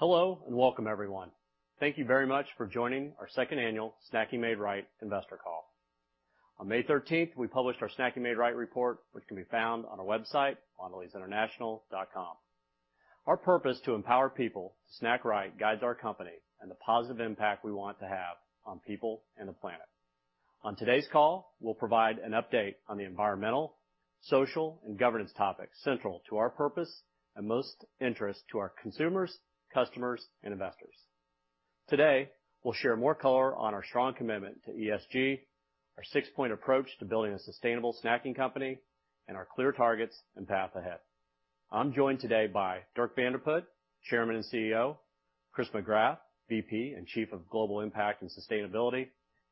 Hello, welcome everyone. Thank you very much for joining our second annual Snacking Made Right Investor Call. On May 13th, we published our Snacking Made Right report, which can be found on our website on mondelezinternational.com. Our purpose to empower people to snack right guides our company and the positive impact we want to have on people and the planet. On today's call, we'll provide an update on the environmental, social, and governance topics central to our purpose and most interest to our consumers, customers, and investors. Today, we'll share more color on our strong commitment to ESG, our six-point approach to building a sustainable snacking company, and our clear targets and path ahead. I'm joined today by Dirk Van de Put, Chairman and CEO, Chris McGrath, VP and Chief of Global Impact and Sustainability,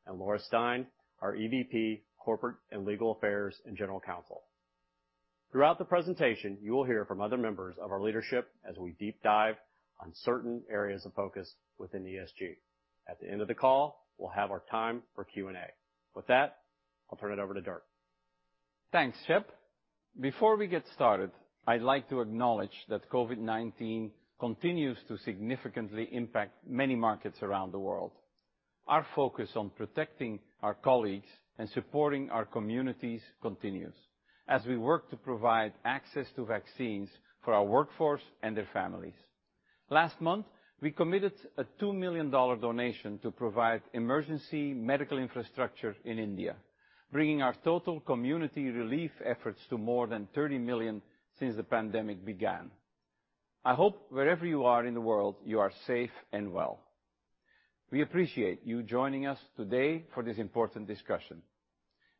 and Laura Stein, our EVP, Corporate and Legal Affairs, and General Counsel. Throughout the presentation, you will hear from other members of our leadership as we deep dive on certain areas of focus within ESG. At the end of the call, we'll have our time for Q&A. With that, I'll turn it over to Dirk. Thanks, Shep. Before we get started, I'd like to acknowledge that COVID-19 continues to significantly impact many markets around the world. Our focus on protecting our colleagues and supporting our communities continues as we work to provide access to vaccines for our workforce and their families. Last month, we committed a $2 million donation to provide emergency medical infrastructure in India, bringing our total community relief efforts to more than $30 million since the pandemic began. I hope wherever you are in the world, you are safe and well. We appreciate you joining us today for this important discussion.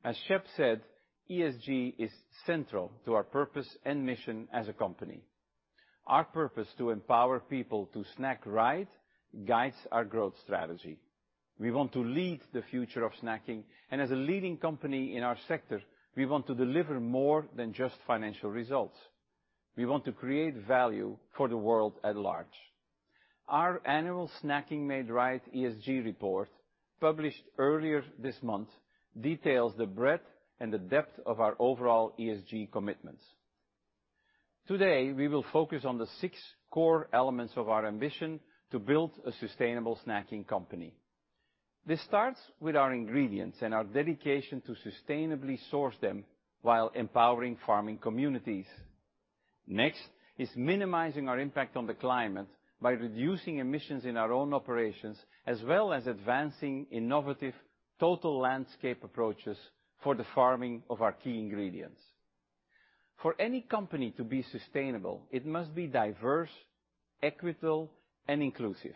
As Shep said, ESG is central to our purpose and mission as a company. Our purpose to empower people to snack right guides our growth strategy. We want to lead the future of snacking. As a leading company in our sector, we want to deliver more than just financial results. We want to create value for the world at large. Our annual Snacking Made Right ESG report, published earlier this month, details the breadth and the depth of our overall ESG commitments. Today, we will focus on the six core elements of our ambition to build a sustainable snacking company. This starts with our ingredients and our dedication to sustainably source them while empowering farming communities. Next is minimizing our impact on the climate by reducing emissions in our own operations, as well as advancing innovative total landscape approaches for the farming of our key ingredients. For any company to be sustainable, it must be diverse, equitable, and inclusive.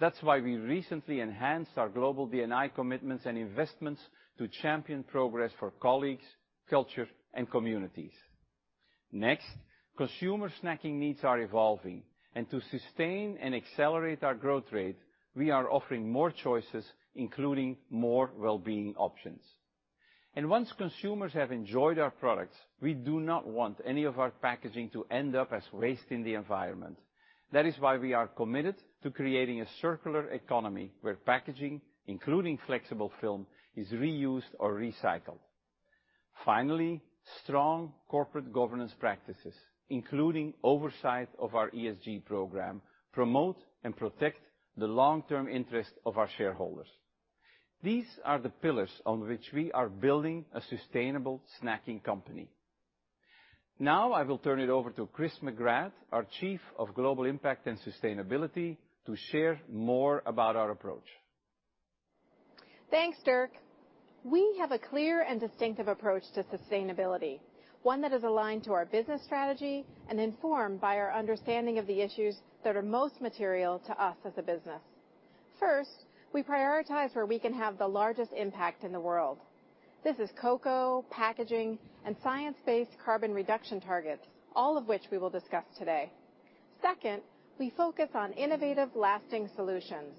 That's why we recently enhanced our global D&I commitments and investments to champion progress for colleagues, culture, and communities. Next, consumer snacking needs are evolving, to sustain and accelerate our growth rate, we are offering more choices, including more well-being options. Once consumers have enjoyed our products, we do not want any of our packaging to end up as waste in the environment. That is why we are committed to creating a circular economy where packaging, including flexible film, is reused or recycled. Finally, strong corporate governance practices, including oversight of our ESG program, promote and protect the long-term interest of our shareholders. These are the pillars on which we are building a sustainable snacking company. Now I will turn it over to Chris McGrath, our Chief of Global Impact and Sustainability, to share more about our approach. Thanks, Dirk. We have a clear and distinctive approach to sustainability. One that is aligned to our business strategy and informed by our understanding of the issues that are most material to us as a business. First, we prioritize where we can have the largest impact in the world. This is cocoa, packaging, and science-based carbon reduction targets, all of which we will discuss today. Second, we focus on innovative, lasting solutions.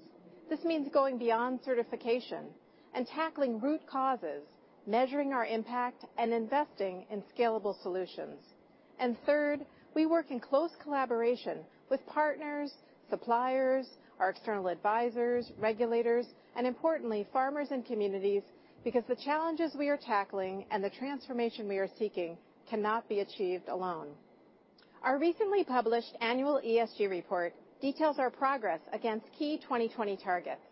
This means going beyond certification and tackling root causes, measuring our impact, and investing in scalable solutions. Third, we work in close collaboration with partners, suppliers, our external advisors, regulators, and importantly, farmers and communities, because the challenges we are tackling and the transformation we are seeking cannot be achieved alone. Our recently published annual ESG report details our progress against key 2020 targets.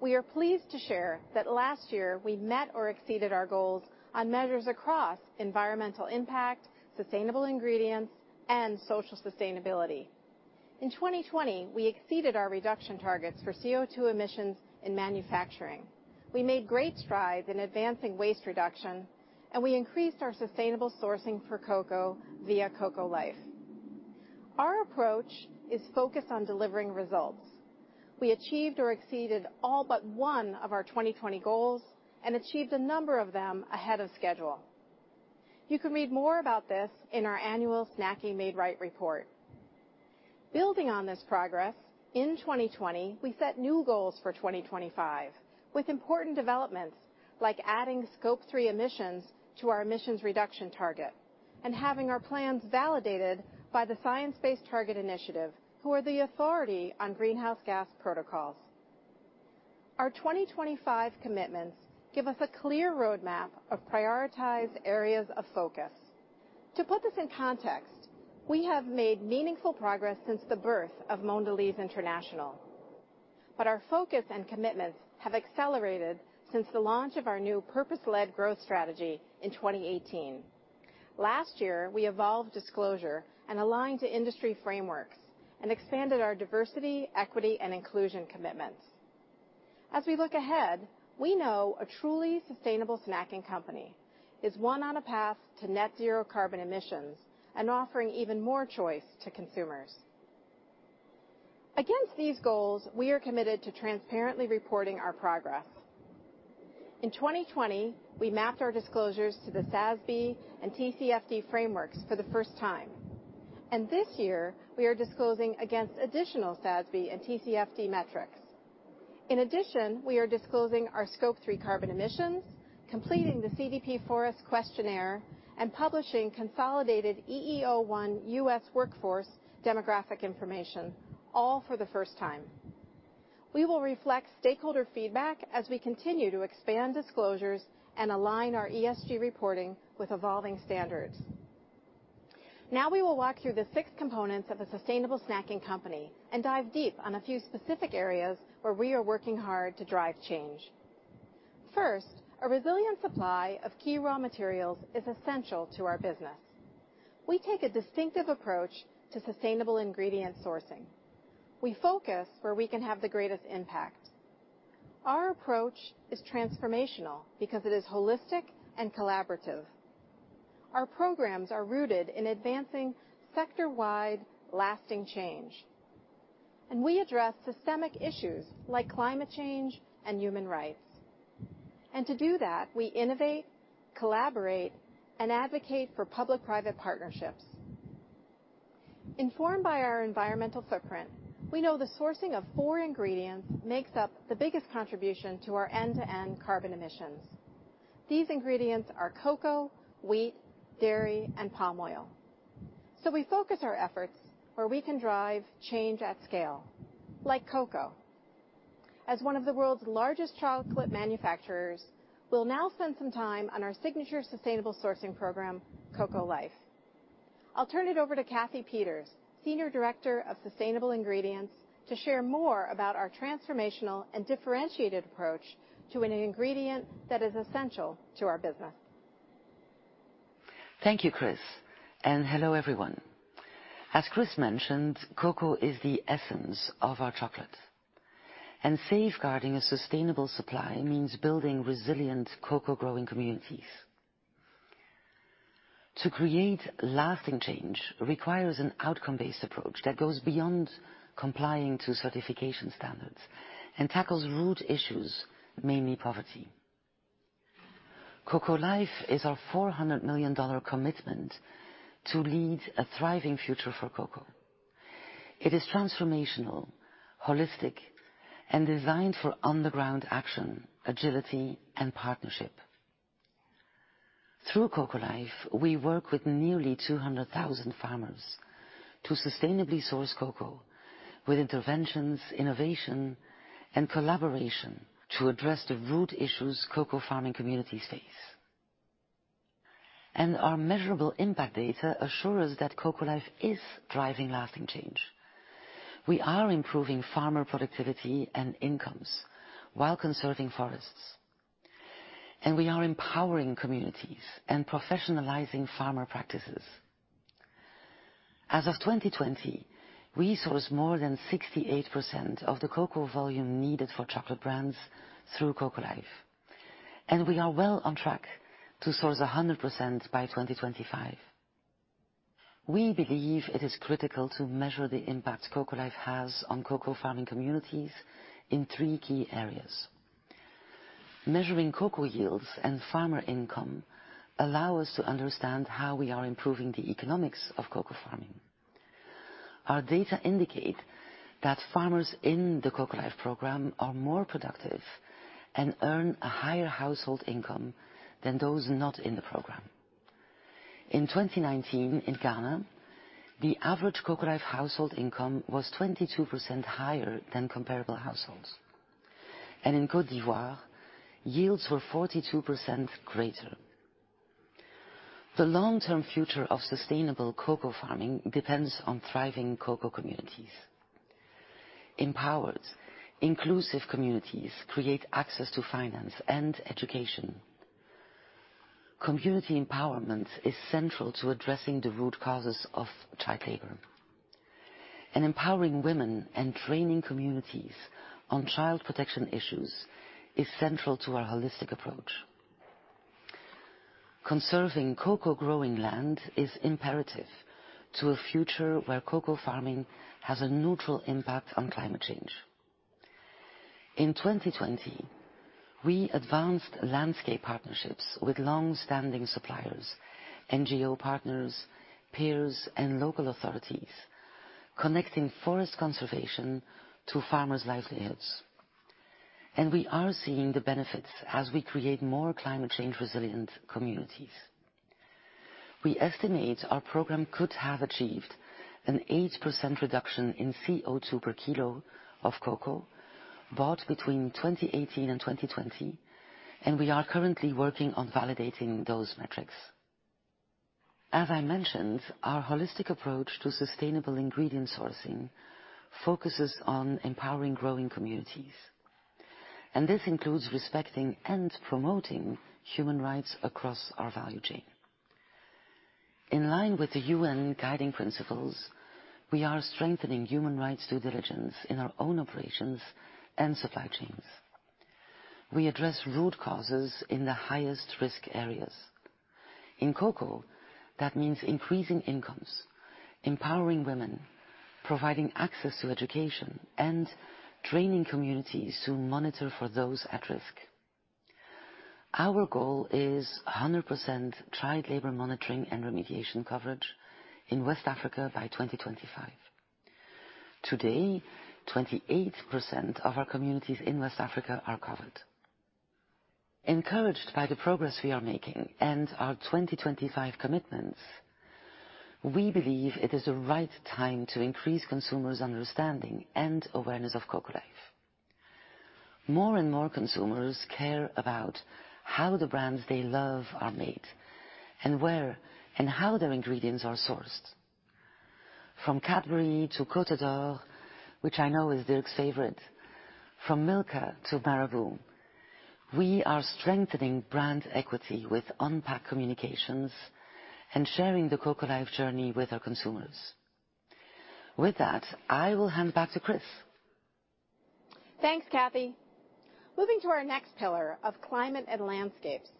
We are pleased to share that last year, we met or exceeded our goals on measures across environmental impact, sustainable ingredients, and social sustainability. In 2020, we exceeded our reduction targets for CO2 emissions in manufacturing. We made great strides in advancing waste reduction, and we increased our sustainable sourcing for cocoa via Cocoa Life. Our approach is focused on delivering results. We achieved or exceeded all but one of our 2020 goals and achieved a number of them ahead of schedule. You can read more about this in our annual Snacking Made Right report. Building on this progress, in 2020, we set new goals for 2025, with important developments like adding Scope 3 emissions to our emissions reduction target and having our plans validated by the Science Based Targets initiative, who are the authority on greenhouse gas protocols. Our 2025 commitments give us a clear roadmap of prioritized areas of focus. To put this in context, we have made meaningful progress since the birth of Mondelēz International, but our focus and commitments have accelerated since the launch of our new purpose-led growth strategy in 2018. Last year, we evolved disclosure and aligned to industry frameworks and expanded our diversity, equity, and inclusion commitments. As we look ahead, we know a truly sustainable snacking company is one on a path to net zero carbon emissions and offering even more choice to consumers. Against these goals, we are committed to transparently reporting our progress. In 2020, we mapped our disclosures to the SASB and TCFD frameworks for the first time. This year we are disclosing against additional SASB and TCFD metrics. In addition, we are disclosing our Scope 3 carbon emissions, completing the CDP forest questionnaire, and publishing consolidated EEO-1 U.S. workforce demographic information, all for the first time. We will reflect stakeholder feedback as we continue to expand disclosures and align our ESG reporting with evolving standards. Now we will walk through the six components of a sustainable snacking company and dive deep on a few specific areas where we are working hard to drive change. First, a resilient supply of key raw materials is essential to our business. We take a distinctive approach to sustainable ingredient sourcing. We focus where we can have the greatest impact. Our approach is transformational because it is holistic and collaborative. Our programs are rooted in advancing sector-wide lasting change, we address systemic issues like climate change and human rights. To do that, we innovate, collaborate, and advocate for public-private partnerships. Informed by our environmental footprint, we know the sourcing of four ingredients makes up the biggest contribution to our end-to-end carbon emissions. These ingredients are cocoa, wheat, dairy, and palm oil. We focus our efforts where we can drive change at scale, like cocoa. As one of the world's largest chocolate manufacturers, we'll now spend some time on our signature sustainable sourcing program, Cocoa Life. I'll turn it over to Cathy Pieters, Senior Director of Sustainable Ingredients, to share more about our transformational and differentiated approach to an ingredient that is essential to our business. Thank you, Chris, and hello everyone. As Chris mentioned, cocoa is the essence of our chocolate, and safeguarding a sustainable supply means building resilient cocoa-growing communities. To create lasting change requires an outcome-based approach that goes beyond complying to certification standards and tackles root issues, mainly poverty. Cocoa Life is our $400 million commitment to lead a thriving future for cocoa. It is transformational, holistic, and designed for on-the-ground action, agility, and partnership. Through Cocoa Life, we work with nearly 200,000 farmers to sustainably source cocoa with interventions, innovation, and collaboration to address the root issues cocoa farming communities face. Our measurable impact data assure us that Cocoa Life is driving lasting change. We are improving farmer productivity and incomes while conserving forests, and we are empowering communities and professionalizing farmer practices. As of 2020, we source more than 68% of the cocoa volume needed for chocolate brands through Cocoa Life, and we are well on track to source 100% by 2025. We believe it is critical to measure the impact Cocoa Life has on cocoa farming communities in three key areas. Measuring cocoa yields and farmer income allow us to understand how we are improving the economics of cocoa farming. Our data indicate that farmers in the Cocoa Life program are more productive and earn a higher household income than those not in the program. In 2019 in Ghana, the average Cocoa Life household income was 22% higher than comparable households, and in Côte d'Ivoire, yields were 42% greater. The long-term future of sustainable cocoa farming depends on thriving cocoa communities. Empowered, inclusive communities create access to finance and education. Community empowerment is central to addressing the root causes of child labor, and empowering women and training communities on child protection issues is central to our holistic approach. Conserving cocoa-growing land is imperative to a future where cocoa farming has a neutral impact on climate change. In 2020, we advanced landscape partnerships with longstanding suppliers, NGO partners, peers, and local authorities, connecting forest conservation to farmers' livelihoods. We are seeing the benefits as we create more climate change-resilient communities. We estimate our program could have achieved an 8% reduction in CO2 per kilo of cocoa bought between 2018 and 2020, and we are currently working on validating those metrics. As I mentioned, our holistic approach to sustainable ingredient sourcing focuses on empowering growing communities, and this includes respecting and promoting human rights across our value chain. In line with the UN guiding principles, we are strengthening human rights due diligence in our own operations and supply chains. We address root causes in the highest-risk areas. In cocoa, that means increasing incomes, empowering women, providing access to education, and training communities to monitor for those at risk. Our goal is 100% child labor monitoring and remediation coverage in West Africa by 2025. Today, 28% of our communities in West Africa are covered. Encouraged by the progress we are making and our 2025 commitments, we believe it is the right time to increase consumers' understanding and awareness of Cocoa Life. More and more consumers care about how the brands they love are made and where and how their ingredients are sourced. From Cadbury to Côte d'Or, which I know is Dirk's favorite, from Milka to Marabou, we are strengthening brand equity with on-pack communications and sharing the Cocoa Life journey with our consumers. With that, I will hand back to Chris. Thanks, Cathy. Moving to our next pillar of climate and landscapes.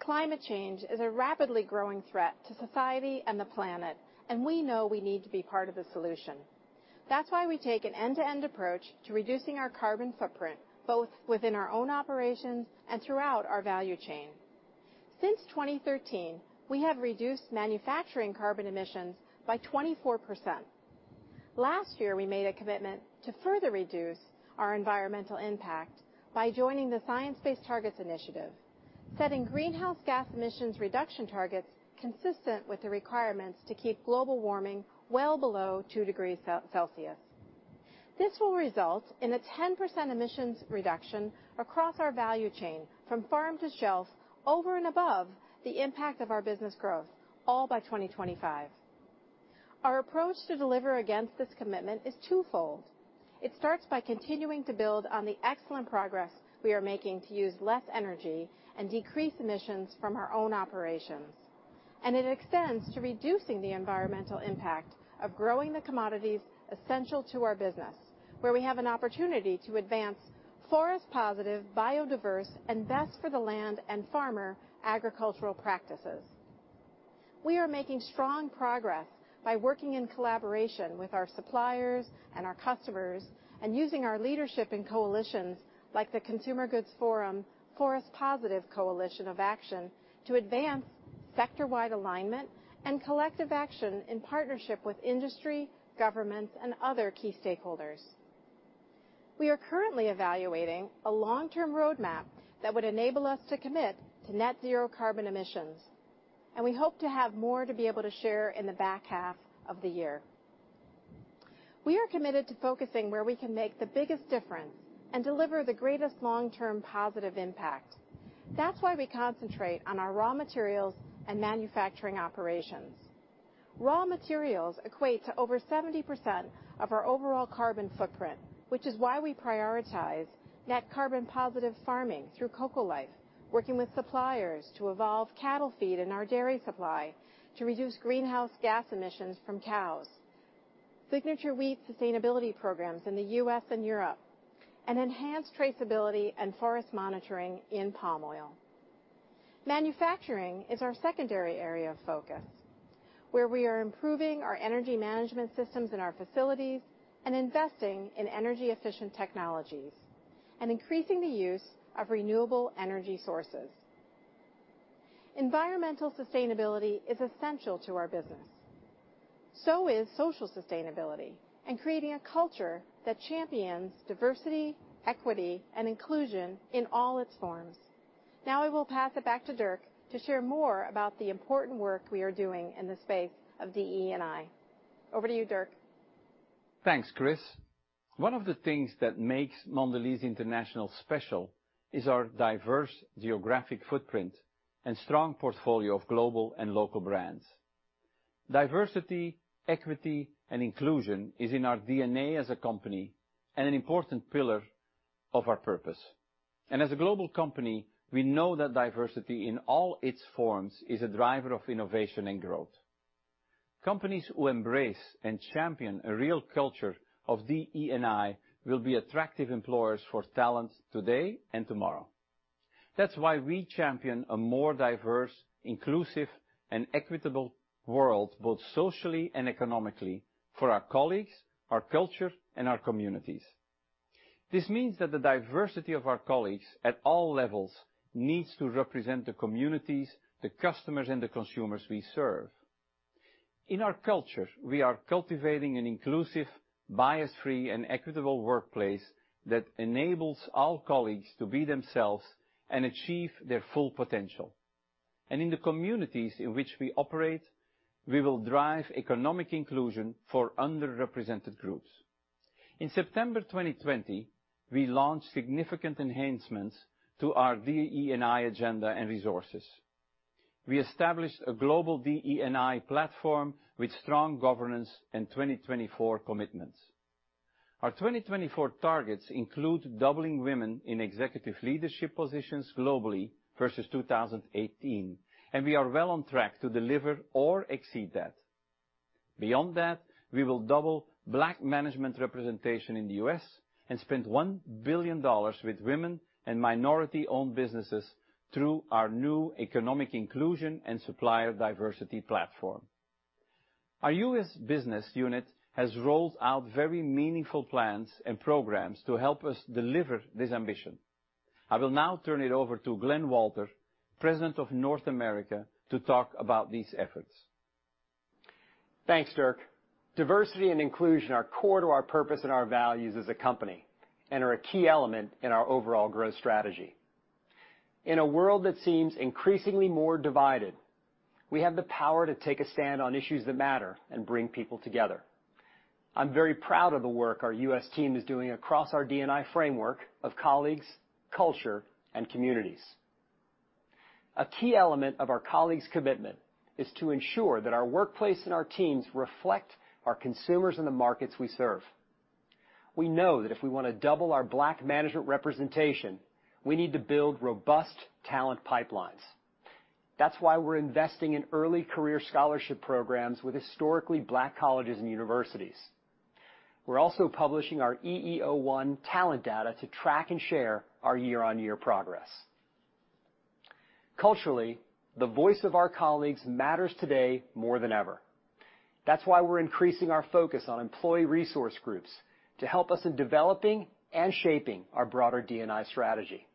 Climate change is a rapidly growing threat to society and the planet. We know we need to be part of the solution. That's why we take an end-to-end approach to reducing our carbon footprint, both within our own operations and throughout our value chain. Since 2013, we have reduced manufacturing carbon emissions by 24%. Last year, we made a commitment to further reduce our environmental impact by joining the Science Based Targets initiative, setting greenhouse gas emissions reduction targets consistent with the requirements to keep global warming well below two degrees Celsius. This will result in a 10% emissions reduction across our value chain from farm to shelf over and above the impact of our business growth, all by 2025. Our approach to deliver against this commitment is twofold. It starts by continuing to build on the excellent progress we are making to use less energy and decrease emissions from our own operations. It extends to reducing the environmental impact of growing the commodities essential to our business, where we have an opportunity to advance forest-positive, biodiverse, and best for the land and farmer agricultural practices. We are making strong progress by working in collaboration with our suppliers and our customers and using our leadership in coalitions like the Consumer Goods Forum Forest Positive Coalition of Action to advance sector-wide alignment and collective action in partnership with industry, governments, and other key stakeholders. We are currently evaluating a long-term roadmap that would enable us to commit to net zero carbon emissions. We hope to have more to be able to share in the back half of the year. We are committed to focusing where we can make the biggest difference and deliver the greatest long-term positive impact. That's why we concentrate on our raw materials and manufacturing operations. Raw materials equate to over 70% of our overall carbon footprint, which is why we prioritize net carbon-positive farming through Cocoa Life, working with suppliers to evolve cattle feed in our dairy supply to reduce greenhouse gas emissions from cows, Signature Wheat sustainability programs in the U.S. and Europe, and enhanced traceability and forest monitoring in palm oil. Manufacturing is our secondary area of focus, where we are improving our energy management systems in our facilities and investing in energy-efficient technologies and increasing the use of renewable energy sources. Environmental sustainability is essential to our business. So is social sustainability and creating a culture that champions diversity, equity, and inclusion in all its forms. Now, I will pass it back to Dirk to share more about the important work we are doing in the space of DE&I. Over to you, Dirk. Thanks, Chris. One of the things that makes Mondelēz International special is our diverse geographic footprint and strong portfolio of global and local brands. Diversity, equity, and inclusion is in our DNA as a company and an important pillar of our purpose. As a global company, we know that diversity in all its forms is a driver of innovation and growth. Companies who embrace and champion a real culture of DE&I will be attractive employers for talent today and tomorrow. That's why we champion a more diverse, inclusive, and equitable world, both socially and economically, for our colleagues, our culture, and our communities. This means that the diversity of our colleagues at all levels needs to represent the communities, the customers, and the consumers we serve. In our culture, we are cultivating an inclusive, bias-free, and equitable workplace that enables all colleagues to be themselves and achieve their full potential. In the communities in which we operate, we will drive economic inclusion for underrepresented groups. In September 2020, we launched significant enhancements to our DE&I agenda and resources. We established a global DE&I platform with strong governance and 2024 commitments. Our 2024 targets include doubling women in executive leadership positions globally versus 2018, and we are well on track to deliver or exceed that. Beyond that, we will double black management representation in the U.S. and spend $1 billion with women and minority-owned businesses through our new economic inclusion and supplier diversity platform. Our U.S. business unit has rolled out very meaningful plans and programs to help us deliver this ambition. I will now turn it over to Glen Walter, President of North America, to talk about these efforts. Thanks, Dirk. Diversity and inclusion are core to our purpose and our values as a company, and are a key element in our overall growth strategy. In a world that seems increasingly more divided, we have the power to take a stand on issues that matter and bring people together. I'm very proud of the work our U.S. team is doing across our DE&I framework of colleagues, culture, and communities. A key element of our colleagues' commitment is to ensure that our workplace and our teams reflect our consumers and the markets we serve. We know that if we want to double our black management representation, we need to build robust talent pipelines. That's why we're investing in early career scholarship programs with historically black colleges and universities. We're also publishing our EEO-1 talent data to track and share our year-on-year progress. Culturally, the voice of our colleagues matters today more than ever. That's why we're increasing our focus on employee resource groups to help us in developing and shaping our broader DE&I strategy.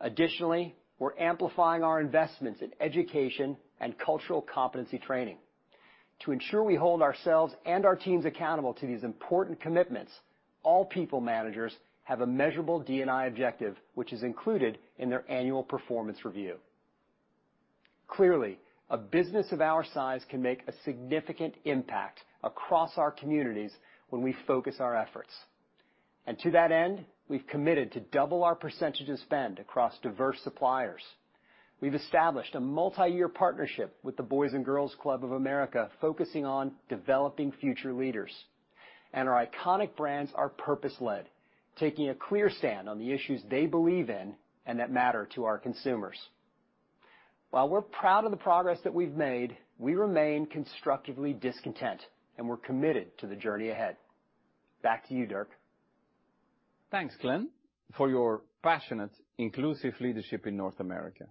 Additionally, we're amplifying our investments in education and cultural competency training. To ensure we hold ourselves and our teams accountable to these important commitments, all people managers have a measurable DE&I objective, which is included in their annual performance review. Clearly, a business of our size can make a significant impact across our communities when we focus our efforts. To that end, we've committed to double our percentage of spend across diverse suppliers. We've established a multi-year partnership with the Boys & Girls Clubs of America, focusing on developing future leaders. Our iconic brands are purpose-led, taking a clear stand on the issues they believe in and that matter to our consumers. While we're proud of the progress that we've made, we remain constructively discontent, and we're committed to the journey ahead. Back to you, Dirk. Thanks, Glen, for your passionate, inclusive leadership in North America.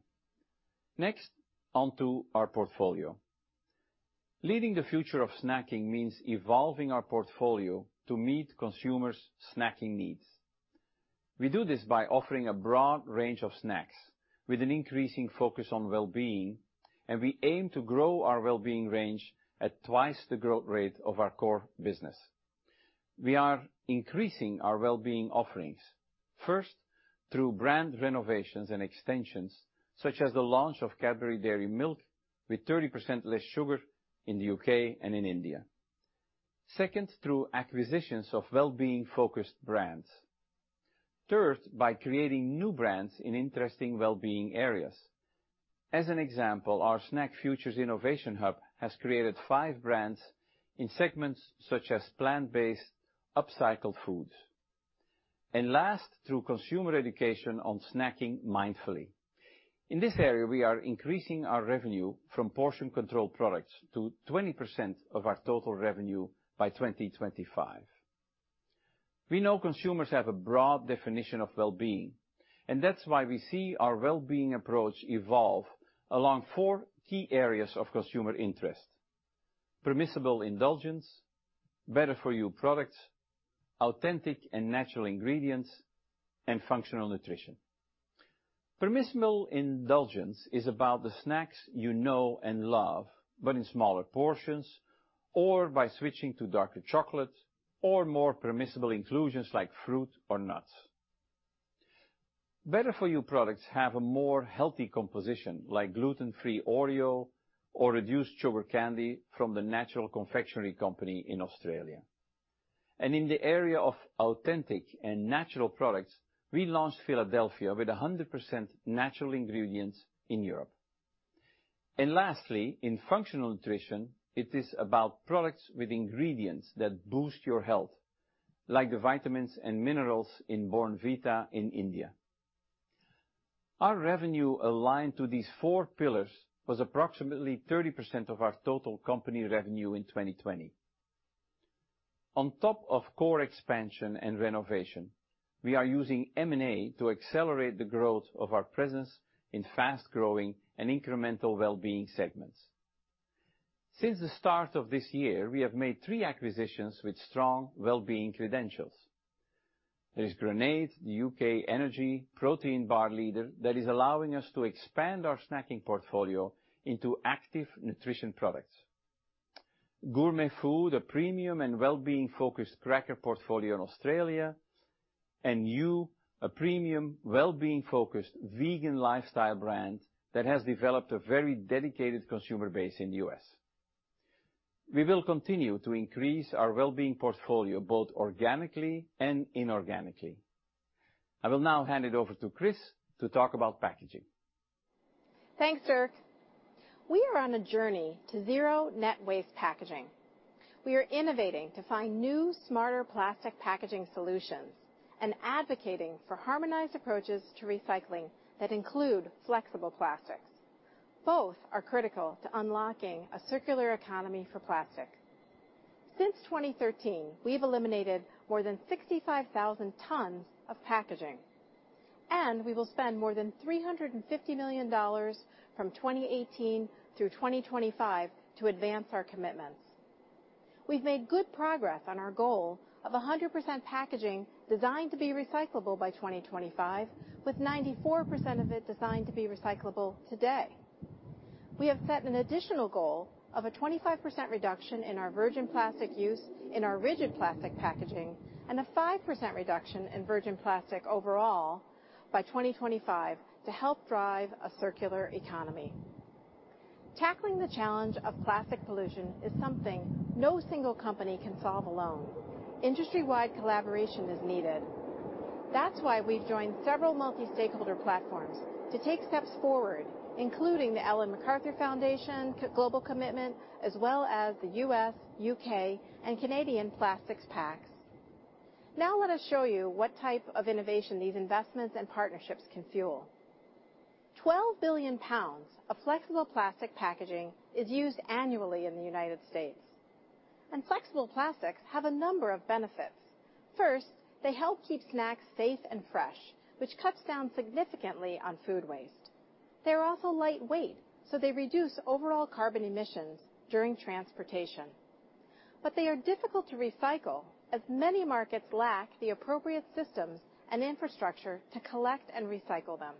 Onto our portfolio. Leading the future of snacking means evolving our portfolio to meet consumers' snacking needs. We do this by offering a broad range of snacks with an increasing focus on well-being. We aim to grow our well-being range at twice the growth rate of our core business. We are increasing our well-being offerings, first through brand renovations and extensions, such as the launch of Cadbury Dairy Milk with 30% less sugar in the U.K. and in India. Second, through acquisitions of well-being-focused brands. Third, by creating new brands in interesting well-being areas. As an example, our SnackFutures innovation hub has created five brands in segments such as plant-based upcycled foods. Last, through consumer education on snacking mindfully. In this area, we are increasing our revenue from portion control products to 20% of our total revenue by 2025. We know consumers have a broad definition of well-being, and that's why we see our well-being approach evolve along four key areas of consumer interest. Permissible indulgence, better-for-you products, authentic and natural ingredients, and functional nutrition. Permissible indulgence is about the snacks you know and love, but in smaller portions, or by switching to darker chocolate, or more permissible inclusions like fruit or nuts. Better-for-you products have a more healthy composition, like gluten-free Oreo or reduced sugar candy from The Natural Confectionery Company in Australia. In the area of authentic and natural products, we launched Philadelphia with 100% natural ingredients in Europe. Lastly, in functional nutrition, it is about products with ingredients that boost your health, like the vitamins and minerals in Bournvita in India. Our revenue aligned to these four pillars was approximately 30% of our total company revenue in 2020. On top of core expansion and renovation, we are using M&A to accelerate the growth of our presence in fast-growing and incremental well-being segments. Since the start of this year, we have made three acquisitions with strong well-being credentials. There's Grenade, the U.K. energy protein bar leader that is allowing us to expand our snacking portfolio into active nutrition products. Gourmet Food, a premium and well-being-focused cracker portfolio in Australia, and Hu, a premium well-being-focused vegan lifestyle brand that has developed a very dedicated consumer base in the U.S. We will continue to increase our well-being portfolio both organically and inorganically. I will now hand it over to Chris to talk about packaging. Thanks, Dirk. We are on a journey to zero net waste packaging. We are innovating to find new smarter plastic packaging solutions and advocating for harmonized approaches to recycling that include flexible plastics. Both are critical to unlocking a circular economy for plastic. Since 2013, we've eliminated more than 65,000 tons of packaging, and we will spend more than $350 million from 2018 through 2025 to advance our commitments. We've made good progress on our goal of 100% packaging designed to be recyclable by 2025, with 94% of it designed to be recyclable today. We have set an additional goal of a 25% reduction in our virgin plastic use in our rigid plastic packaging and a 5% reduction in virgin plastic overall by 2025 to help drive a circular economy. Tackling the challenge of plastic pollution is something no single company can solve alone. Industry-wide collaboration is needed. That's why we've joined several multi-stakeholder platforms to take steps forward, including the Ellen MacArthur Foundation Global Commitment, as well as the U.S., U.K., and Canada Plastics Pacts. Now I want to show you what type of innovation these investments and partnerships can fuel. 12 billion pounds of flexible plastic packaging is used annually in the United States. Flexible plastics have a number of benefits. First, they help keep snacks safe and fresh, which cuts down significantly on food waste. They're also lightweight. They reduce overall carbon emissions during transportation. They are difficult to recycle as many markets lack the appropriate systems and infrastructure to collect and recycle them.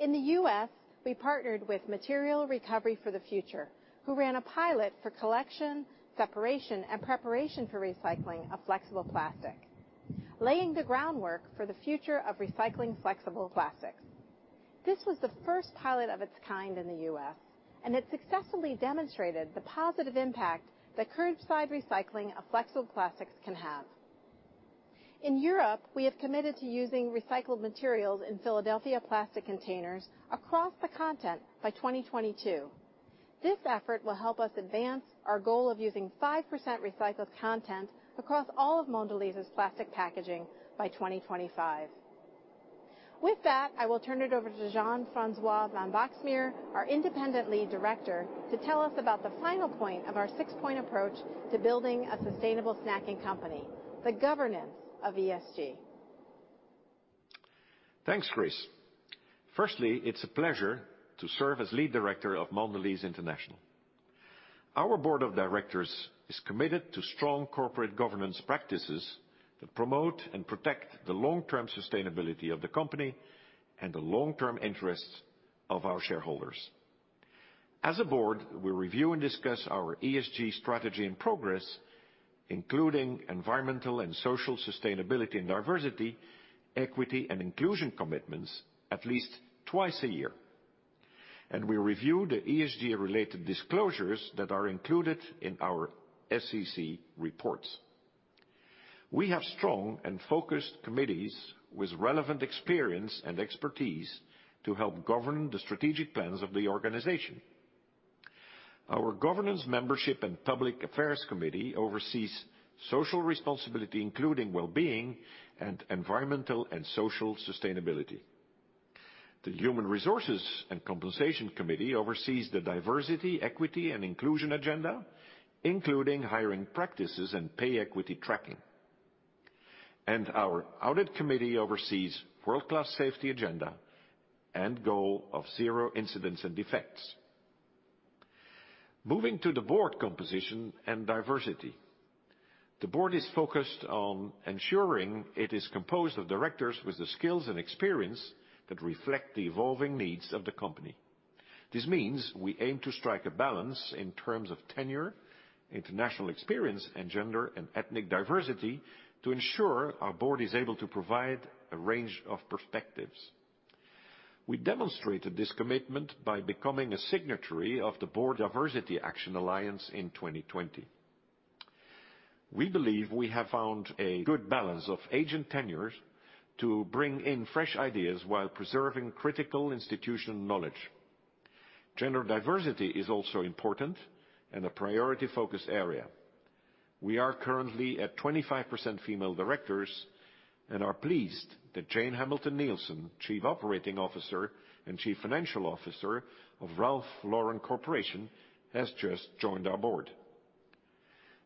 In the U.S., we partnered with Materials Recovery for the Future, who ran a pilot for collection, separation, and preparation for recycling of flexible plastic, laying the groundwork for the future of recycling flexible plastics. This was the first pilot of its kind in the U.S. It successfully demonstrated the positive impact that curbside recycling of flexible plastics can have. In Europe, we have committed to using recycled materials in Philadelphia plastic containers across the continent by 2022. This effort will help us advance our goal of using 5% recycled content across all of Mondelēz's plastic packaging by 2025. With that, I will turn it over to Jean-François Van Boxmeer, our Independent Lead Director, to tell us about the final point of our six-point approach to building a sustainable snacking company, the governance of ESG. Thanks, Chris. Firstly, it's a pleasure to serve as lead director of Mondelēz International. Our board of directors is committed to strong corporate governance practices that promote and protect the long-term sustainability of the company and the long-term interests of our shareholders. As a board, we review and discuss our ESG strategy and progress, including environmental and social sustainability and diversity, equity, and inclusion commitments at least twice a year. We review the ESG-related disclosures that are included in our SEC reports. We have strong and focused committees with relevant experience and expertise to help govern the strategic plans of the organization. Our governance membership and public affairs committee oversees social responsibility, including wellbeing and environmental and social sustainability. The human resources and compensation committee oversees the diversity, equity, and inclusion agenda, including hiring practices and pay equity tracking. Our audit committee oversees world-class safety agenda and goal of zero incidents and defects. Moving to the board composition and diversity. The board is focused on ensuring it is composed of directors with the skills and experience that reflect the evolving needs of the company. This means we aim to strike a balance in terms of tenure, international experience, and gender and ethnic diversity to ensure our board is able to provide a range of perspectives. We demonstrated this commitment by becoming a signatory of the Board Diversity Action Alliance in 2020. We believe we have found a good balance of age and tenures to bring in fresh ideas while preserving critical institutional knowledge. Gender diversity is also important and a priority focus area. We are currently at 25% female directors and are pleased that Jane Hamilton Nielsen, Chief Operating Officer and Chief Financial Officer of Ralph Lauren Corporation, has just joined our board.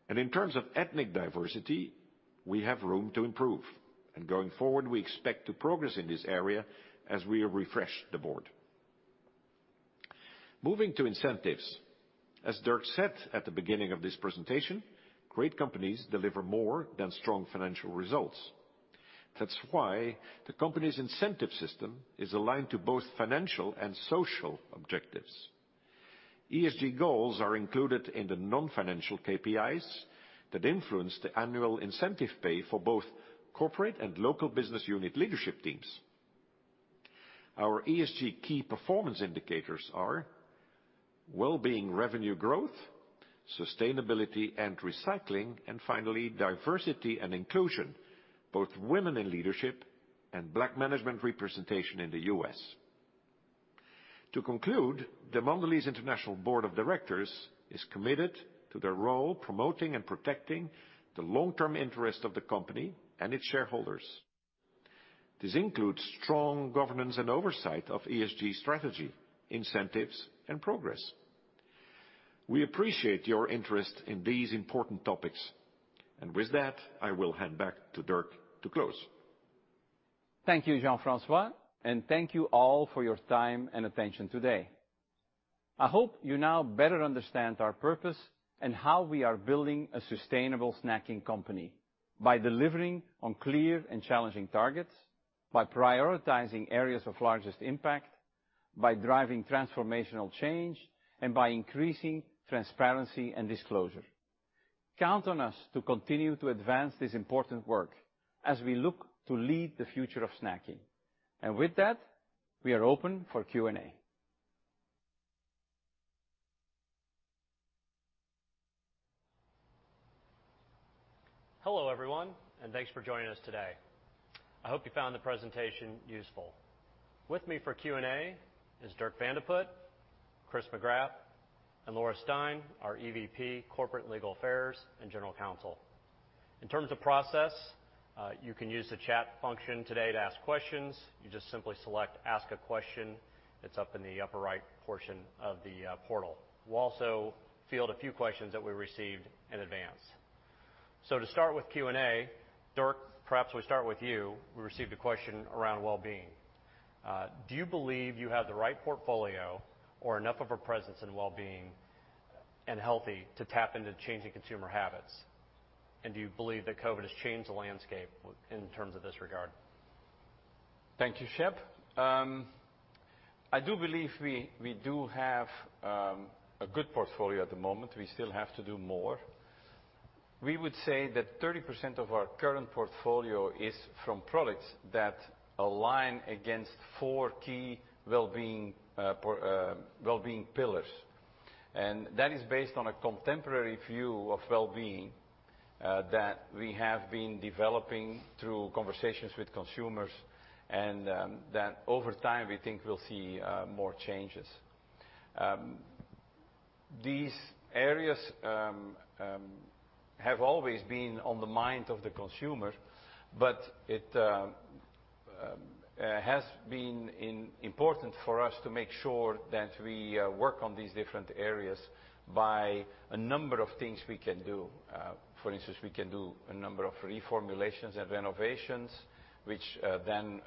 In terms of ethnic diversity, we have room to improve, and going forward, we expect to progress in this area as we refresh the board. Moving to incentives. As Dirk said at the beginning of this presentation, great companies deliver more than strong financial results. That's why the company's incentive system is aligned to both financial and social objectives. ESG goals are included in the non-financial KPIs that influence the annual incentive pay for both corporate and local business unit leadership teams. Our ESG key performance indicators are well-being revenue growth, sustainability and recycling, and finally, diversity and inclusion, both women in leadership and black management representation in the U.S. To conclude, the Mondelēz International Board of Directors is committed to their role promoting and protecting the long-term interest of the company and its shareholders. This includes strong governance and oversight of ESG strategy, incentives, and progress. We appreciate your interest in these important topics. With that, I will hand back to Dirk to close. Thank you, Jean-François, and thank you all for your time and attention today. I hope you now better understand our purpose and how we are building a sustainable snacking company by delivering on clear and challenging targets, by prioritizing areas of largest impact, by driving transformational change, and by increasing transparency and disclosure. Count on us to continue to advance this important work as we look to lead the future of snacking. With that, we are open for Q&A. Hello, everyone, and thanks for joining us today. I hope you found the presentation useful. With me for Q&A is Dirk Van de Put, Chris McGrath, and Laura Stein, our EVP, Corporate and Legal Affairs, and General Counsel. In terms of process, you can use the chat function today to ask questions. You just simply select ask a question. It's up in the upper right portion of the portal. We'll also field a few questions that we received in advance. To start with Q&A, Dirk, perhaps we start with you. We received a question around well-being. Do you believe you have the right portfolio or enough of a presence in well-being and healthy to tap into changing consumer habits? Do you believe that COVID has changed the landscape in terms of this regard? Thank you, Shep. I do believe we do have a good portfolio at the moment. We still have to do more. We would say that 30% of our current portfolio is from products that align against four key well-being pillars. That is based on a contemporary view of well-being that we have been developing through conversations with consumers and that over time, we think we'll see more changes. These areas have always been on the mind of the consumer, but it has been important for us to make sure that we work on these different areas by a number of things we can do. For instance, we can do a number of reformulations and renovations, which then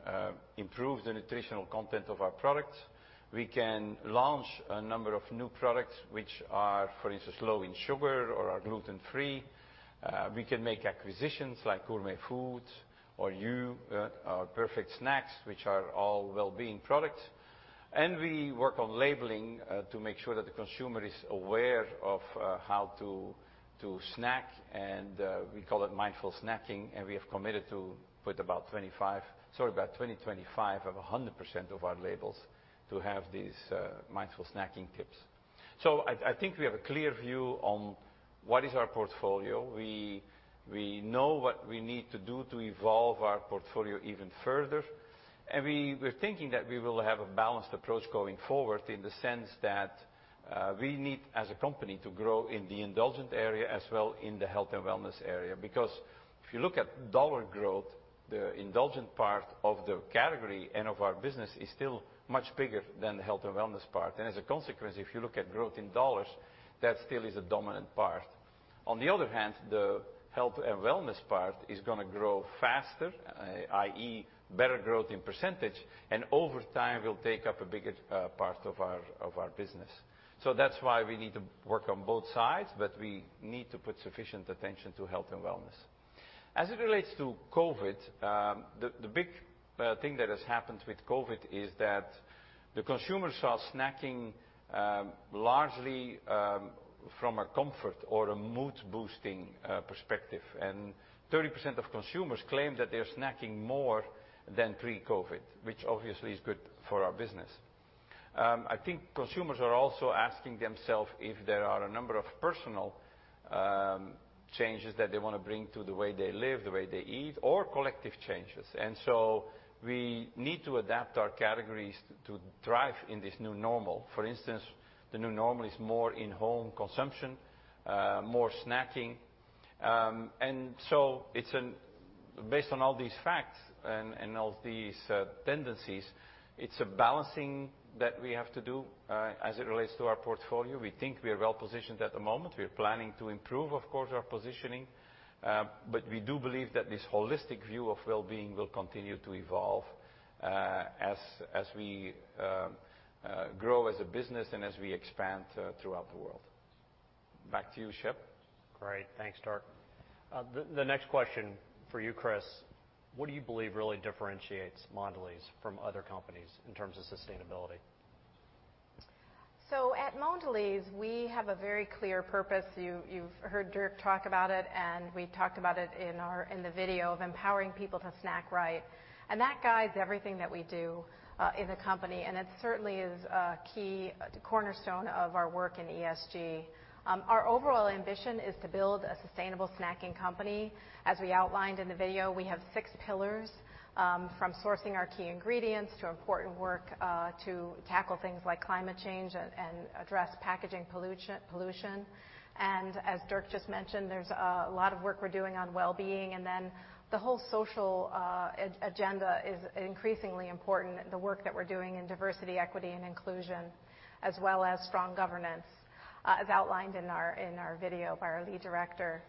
improve the nutritional content of our products. We can launch a number of new products, which are, for instance, low in sugar or are gluten free. We can make acquisitions like Gourmet Food or Hu, our Perfect Snacks, which are all well-being products. We work on labeling to make sure that the consumer is aware of how to snack, and we call it mindful snacking. We have committed to by 2025 have 100% of our labels to have these mindful snacking tips. I think we have a clear view on what is our portfolio. We know what we need to do to evolve our portfolio even further. We're thinking that we will have a balanced approach going forward in the sense that we need, as a company, to grow in the indulgent area as well in the health and wellness area. Because if you look at dollar growth, the indulgent part of the category and of our business is still much bigger than the health and wellness part. As a consequence, if you look at growth in dollars, that still is a dominant part. On the other hand, the health and wellness part is going to grow faster, i.e., better growth in percentage, and over time will take up a bigger part of our business. That's why we need to work on both sides, but we need to put sufficient attention to health and wellness. As it relates to COVID, the big thing that has happened with COVID is that the consumers are snacking largely from a comfort or a mood-boosting perspective, and 30% of consumers claim that they are snacking more than pre-COVID, which obviously is good for our business. I think consumers are also asking themselves if there are a number of personal changes that they want to bring to the way they live, the way they eat, or collective changes. We need to adapt our categories to thrive in this new normal. For instance, the new normal is more in-home consumption, more snacking. Based on all these facts and all these tendencies, it's a balancing that we have to do as it relates to our portfolio. We think we are well-positioned at the moment. We are planning to improve, of course, our positioning. We do believe that this holistic view of well-being will continue to evolve as we grow as a business and as we expand throughout the world. Back to you, Shep. Great. Thanks, Dirk. The next question for you, Chris. What do you believe really differentiates Mondelēz from other companies in terms of sustainability? At Mondelēz, we have a very clear purpose. You've heard Dirk talk about it, and we talked about it in the video of empowering people to snack right. That guides everything that we do, in the company, and it certainly is a key cornerstone of our work in ESG. Our overall ambition is to build a sustainable snacking company. As we outlined in the video, we have six pillars, from sourcing our key ingredients to important work to tackle things like climate change and address packaging pollution. As Dirk just mentioned, there's a lot of work we're doing on well-being. The whole social agenda is increasingly important, the work that we're doing in diversity, equity, and inclusion, as well as strong governance, as outlined in our video by our lead director.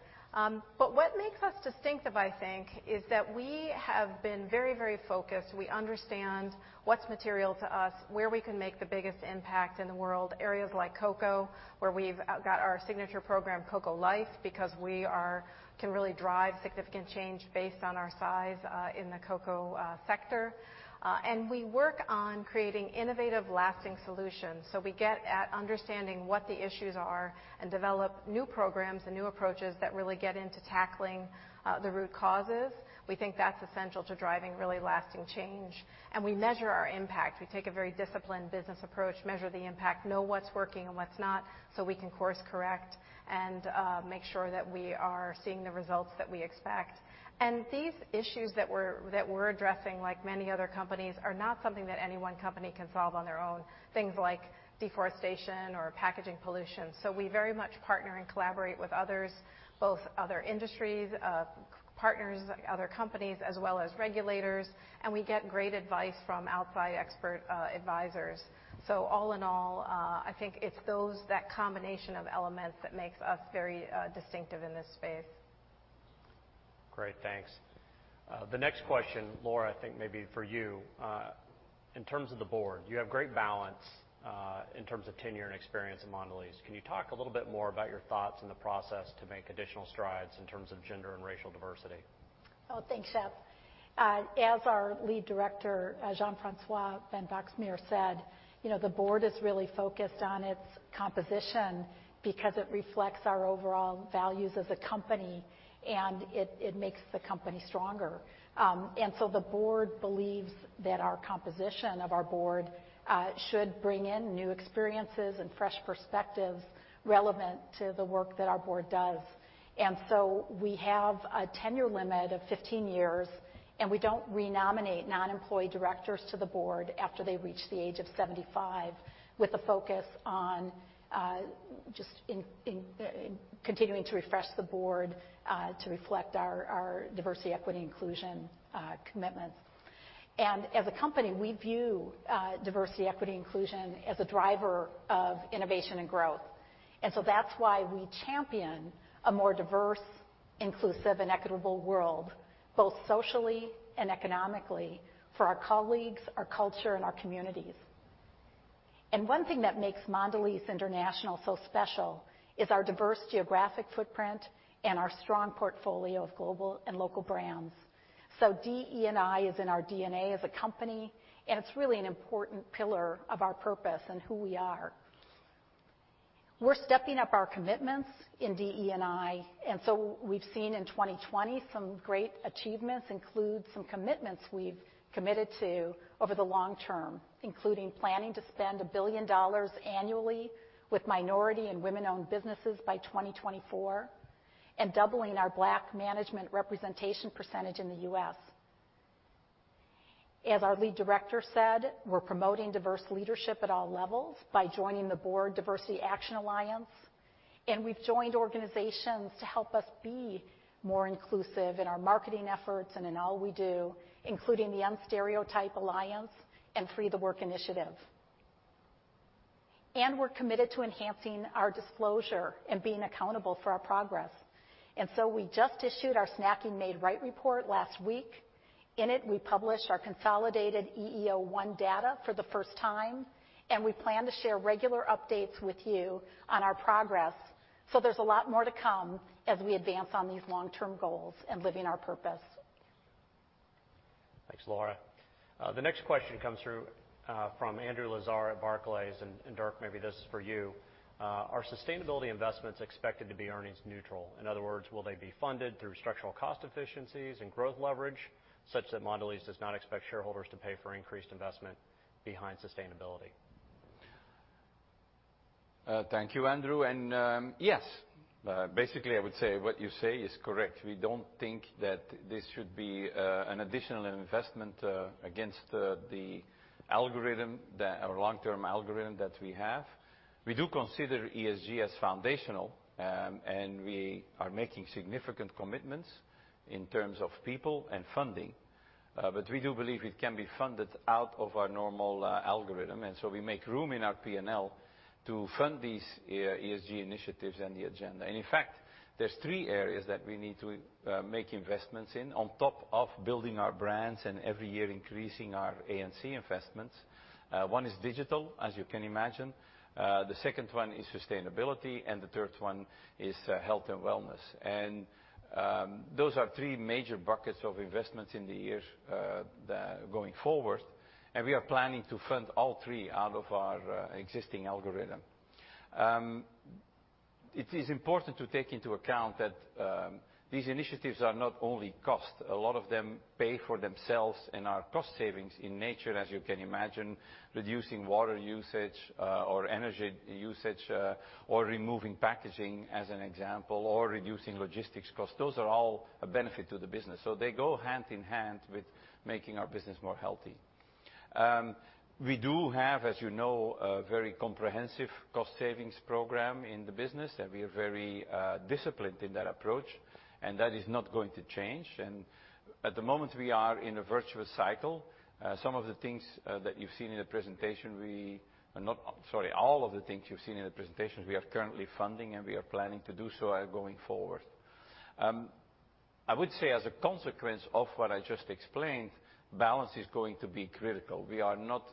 What makes us distinctive, I think, is that we have been very focused. We understand what's material to us, where we can make the biggest impact in the world. Areas like cocoa, where we've got our signature program, Cocoa Life, because we can really drive significant change based on our size, in the cocoa sector. We work on creating innovative, lasting solutions. We get at understanding what the issues are and develop new programs and new approaches that really get into tackling the root causes. We think that's essential to driving really lasting change. We measure our impact. We take a very disciplined business approach, measure the impact, know what's working and what's not so we can course-correct and make sure that we are seeing the results that we expect. These issues that we're addressing, like many other companies, are not something that any one company can solve on their own, things like deforestation or packaging pollution. We very much partner and collaborate with others, both other industries, partners, other companies, as well as regulators. We get great advice from outside expert advisors. All in all, I think it's that combination of elements that makes us very distinctive in this space. Great, thanks. The next question, Laura, I think maybe for you. In terms of the board, you have great balance in terms of tenure and experience at Mondelēz. Can you talk a little bit more about your thoughts and the process to make additional strides in terms of gender and racial diversity? Thanks, Shep. As our lead director, Jean-François van Boxmeer, said, the board is really focused on its composition because it reflects our overall values as a company, and it makes the company stronger. The board believes that our composition of our board should bring in new experiences and fresh perspectives relevant to the work that our board does. We have a tenure limit of 15 years, and we don't renominate non-employee directors to the board after they reach the age of 75, with a focus on just continuing to refresh the board to reflect our Diversity, Equity, Inclusion commitment. As a company, we view diversity, equity, and inclusion as a driver of innovation and growth. That's why we champion a more diverse, inclusive, and equitable world, both socially and economically, for our colleagues, our culture, and our communities. One thing that makes Mondelēz International so special is our diverse geographic footprint and our strong portfolio of global and local brands. DE&I is in our DNA as a company, and it's really an important pillar of our purpose and who we are. We're stepping up our commitments in DE&I, we've seen in 2020 some great achievements include some commitments we've committed to over the long term, including planning to spend $1 billion annually with minority and women-owned businesses by 2024 and doubling our Black management representation percentage in the U.S. As our lead director said, we're promoting diverse leadership at all levels by joining the Board Diversity Action Alliance. We've joined organizations to help us be more inclusive in our marketing efforts and in all we do, including the Unstereotype Alliance and Free the Work initiative. We're committed to enhancing our disclosure and being accountable for our progress. We just issued our Snacking Made Right report last week. In it, we published our consolidated EEO-1 data for the first time, and we plan to share regular updates with you on our progress. There's a lot more to come as we advance on these long-term goals and living our purpose. Thanks, Laura. The next question comes through from Andrew Lazar at Barclays, and Dirk, maybe this is for you. Are sustainability investments expected to be earnings neutral? In other words, will they be funded through structural cost efficiencies and growth leverage such that Mondelēz does not expect shareholders to pay for increased investment behind sustainability? Thank you, Andrew. Yes. Basically, I would say what you say is correct. We don't think that this should be an additional investment against the long-term algorithm that we have. We do consider ESG as foundational, and we are making significant commitments in terms of people and funding. We do believe it can be funded out of our normal algorithm, we make room in our P&L to fund these ESG initiatives and the agenda. In fact, there's three areas that we need to make investments in on top of building our brands and every year increasing our A&C investments. One is digital, as you can imagine. The second one is sustainability, and the third one is health and wellness. Those are three major buckets of investments in the year going forward, and we are planning to fund all three out of our existing algorithm. It is important to take into account that these initiatives are not only cost. A lot of them pay for themselves and are cost savings in nature, as you can imagine, reducing water usage or energy usage or removing packaging as an example, or reducing logistics cost. Those are all a benefit to the business. They go hand in hand with making our business more healthy. We do have, as you know, a very comprehensive cost savings program in the business, and we are very disciplined in that approach, and that is not going to change. At the moment, we are in a virtuous cycle. All of the things you've seen in the presentation, we are currently funding, and we are planning to do so going forward. I would say as a consequence of what I just explained, balance is going to be critical. We are not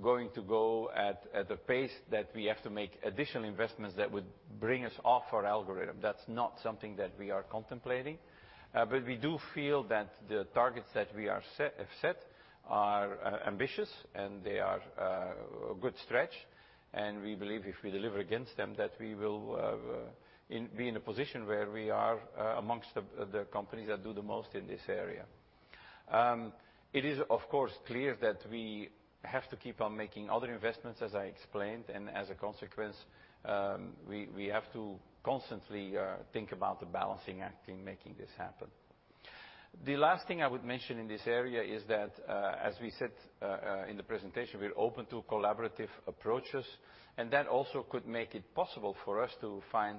going to go at a pace that we have to make additional investments that would bring us off our algorithm. That's not something that we are contemplating. We do feel that the targets that we have set are ambitious, they are a good stretch, we believe if we deliver against them that we will be in a position where we are amongst the companies that do the most in this area. It is, of course, clear that we have to keep on making other investments, as I explained, as a consequence, we have to constantly think about the balancing act in making this happen. The last thing I would mention in this area is that, as we said in the presentation, we're open to collaborative approaches, and that also could make it possible for us to find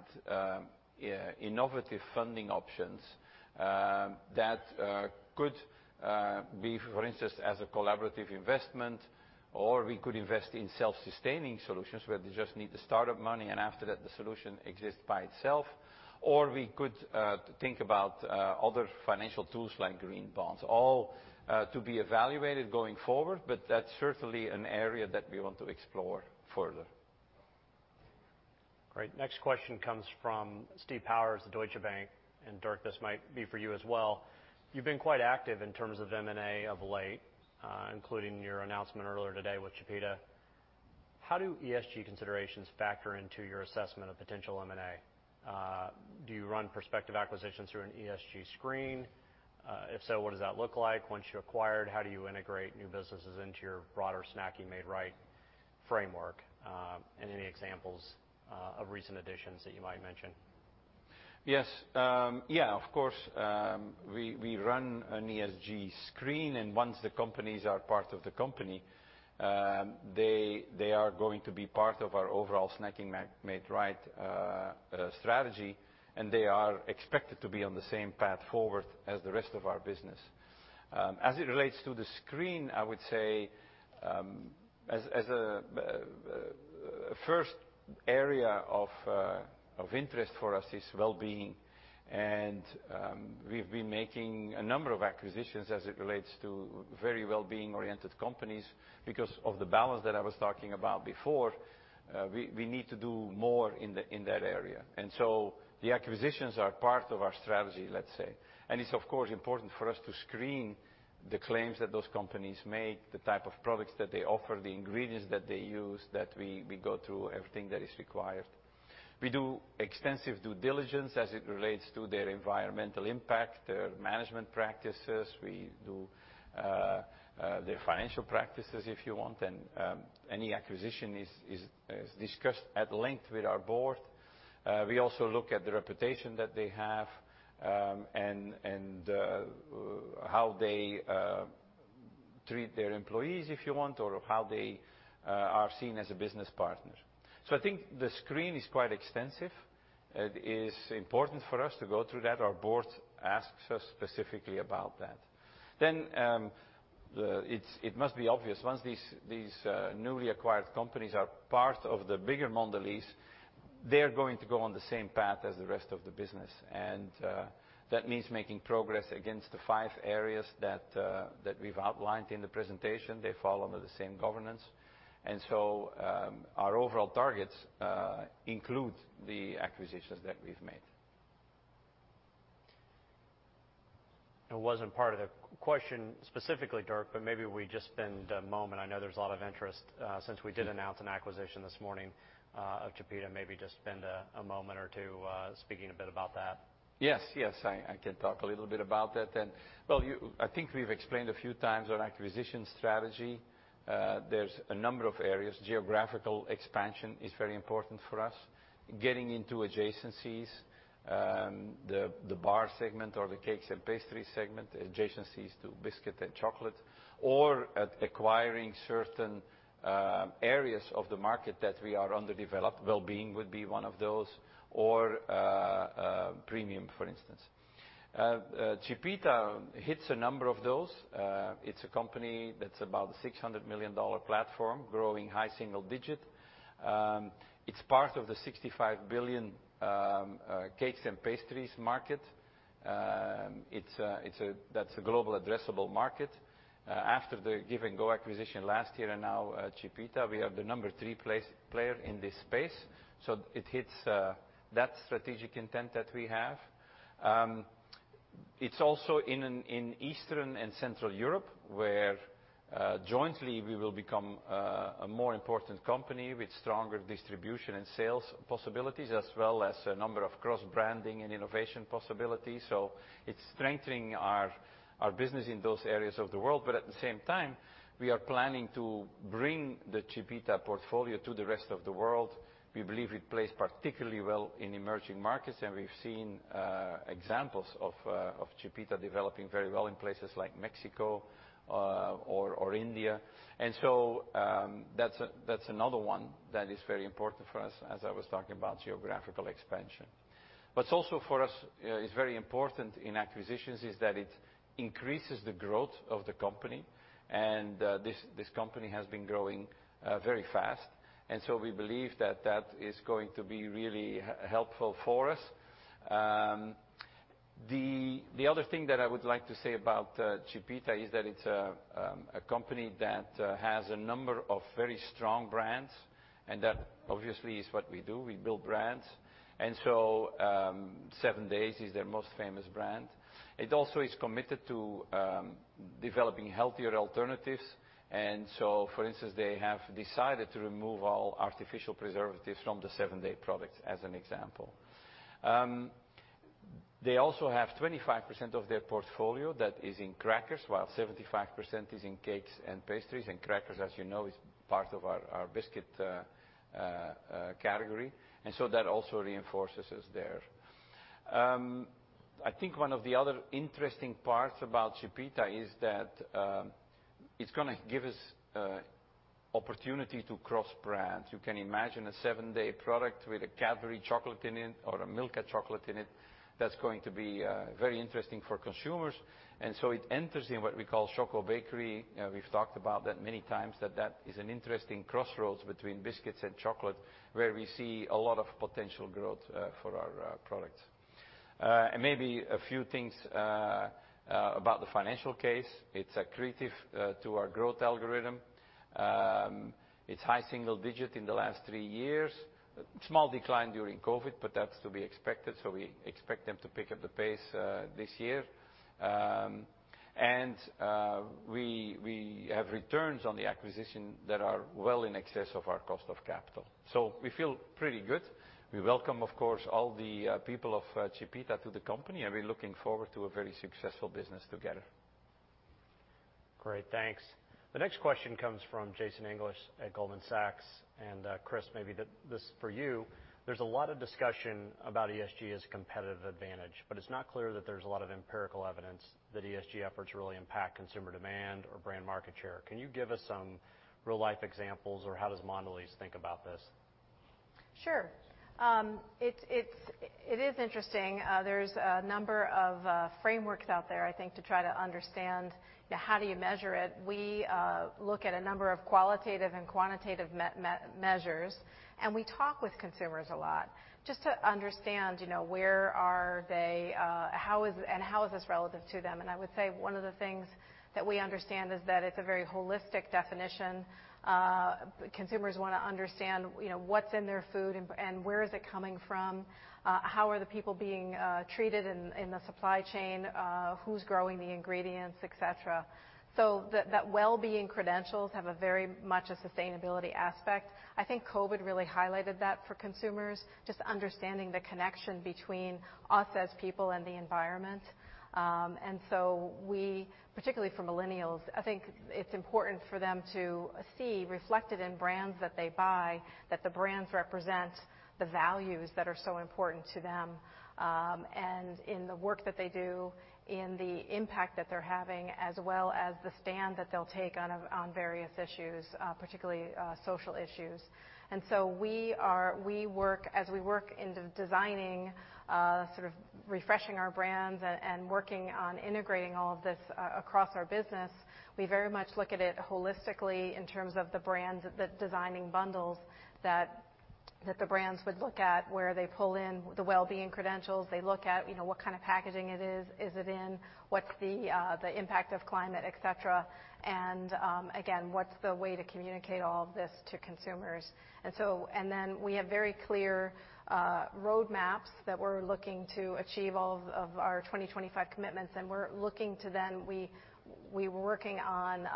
innovative funding options that could be, for instance, as a collaborative investment, or we could invest in self-sustaining solutions where they just need the startup money, and after that, the solution exists by itself. Or we could think about other financial tools like green bonds, all to be evaluated going forward, but that's certainly an area that we want to explore further. Great. Next question comes from Steve Powers, Deutsche Bank. Dirk, this might be for you as well. You've been quite active in terms of M&A of late, including your announcement earlier today with Chipita. How do ESG considerations factor into your assessment of potential M&A? Do you run prospective acquisitions through an ESG screen? If so, what does that look like once you acquired? How do you integrate new businesses into your broader Snacking Made Right framework? Any examples of recent additions that you might mention? Yes. Of course, we run an ESG screen, and once the companies are part of the company, they are going to be part of our overall Snacking Made Right strategy, and they are expected to be on the same path forward as the rest of our business. As it relates to the screen, I would say as a first area of interest for us is well-being, and we've been making a number of acquisitions as it relates to very well-being-oriented companies because of the balance that I was talking about before. We need to do more in that area. The acquisitions are part of our strategy, let's say. It's, of course, important for us to screen the claims that those companies make, the type of products that they offer, the ingredients that they use, that we go through everything that is required. We do extensive due diligence as it relates to their environmental impact, their management practices. We do their financial practices if you want, and any acquisition is discussed at length with our board. We also look at the reputation that they have and how they treat their employees if you want, or how they are seen as a business partner. I think the screen is quite extensive. It is important for us to go through that. Our board asks us specifically about that. It must be obvious once these newly acquired companies are part of the bigger Mondelēz, they're going to go on the same path as the rest of the business, and that means making progress against the five areas that we've outlined in the presentation. They follow the same governance. Our overall targets include the acquisitions that we've made. It wasn't part of the question specifically, Dirk, but maybe we just spend a moment. I know there's a lot of interest since we did announce an acquisition this morning of Chipita, maybe just spend a moment or two speaking a bit about that. Yes. I can talk a little bit about that. I think we've explained a few times our acquisition strategy. There's a number of areas. Geographical expansion is very important for us. Getting into adjacencies, the bar segment or the cakes and pastry segment, adjacencies to biscuit and chocolate, or acquiring certain areas of the market that we are underdeveloped. Well-being would be one of those or premium, for instance. Chipita hits a number of those. It's a company that's about a $600 million platform growing high single digit. It's part of the $65 billion cakes and pastries market. That's a global addressable market. After the Give & Go acquisition last year and now Chipita, we are the number three player in this space, it hits that strategic intent that we have. It's also in Eastern and Central Europe, where jointly we will become a more important company with stronger distribution and sales possibilities, as well as a number of cross-branding and innovation possibilities. It's strengthening our business in those areas of the world. At the same time, we are planning to bring the Chipita portfolio to the rest of the world. We believe it plays particularly well in emerging markets, and we've seen examples of Chipita developing very well in places like Mexico or India. That's another one that is very important for us as I was talking about geographical expansion. What's also for us is very important in acquisitions is that it increases the growth of the company, and this company has been growing very fast. We believe that that is going to be really helpful for us. The other thing that I would like to say about Chipita is that it's a company that has a number of very strong brands, and that obviously is what we do. We build brands. 7Days is their most famous brand. It also is committed to developing healthier alternatives. For instance, they have decided to remove all artificial preservatives from the 7Days products as an example. They also have 25% of their portfolio that is in crackers, while 75% is in cakes and pastries, and crackers, as you know, is part of our biscuit category. That also reinforces us there. I think one of the other interesting parts about Chipita is that it's going to give us opportunity to cross brands. You can imagine a 7Days product with a Cadbury chocolate in it or a Milka chocolate in it. That's going to be very interesting for consumers. It enters in what we call Choco Bakery. We've talked about that many times, that that is an interesting crossroads between biscuits and chocolate, where we see a lot of potential growth for our products. Maybe a few things about the financial case. It's accretive to our growth algorithm. It's high single digit in the last three years. Small decline during COVID, but that's to be expected, so we expect them to pick up the pace this year. We have returns on the acquisition that are well in excess of our cost of capital. We feel pretty good. We welcome, of course, all the people of Chipita to the company, and we're looking forward to a very successful business together. Great. Thanks. The next question comes from Jason English at Goldman Sachs. Chris, maybe this is for you. There's a lot of discussion about ESG as competitive advantage, but it's not clear that there's a lot of empirical evidence that ESG efforts really impact consumer demand or brand market share. Can you give us some real-life examples, or how does Mondelēz think about this? Sure. It is interesting. There's a number of frameworks out there, I think, to try to understand how do you measure it. We look at a number of qualitative and quantitative measures, and we talk with consumers a lot just to understand where are they and how is this relevant to them. I would say one of the things that we understand is that it's a very holistic definition. Consumers want to understand what's in their food and where is it coming from, how are the people being treated in the supply chain, who's growing the ingredients, et cetera. That wellbeing credentials have a very much a sustainability aspect. I think COVID really highlighted that for consumers, just understanding the connection between us as people and the environment. We, particularly for millennials, I think it's important for them to see reflected in brands that they buy, that the brands represent the values that are so important to them, and in the work that they do and the impact that they're having, as well as the stand that they'll take on various issues, particularly social issues. As we work in designing, sort of refreshing our brands and working on integrating all of this across our business, we very much look at it holistically in terms of the brands, the designing bundles that the brands would look at, where they pull in the wellbeing credentials. They look at what kind of packaging it is in, what's the impact of climate, et cetera, and again, what's the way to communicate all of this to consumers. We have very clear roadmaps that we're looking to achieve all of our 2025 commitments, and we're working on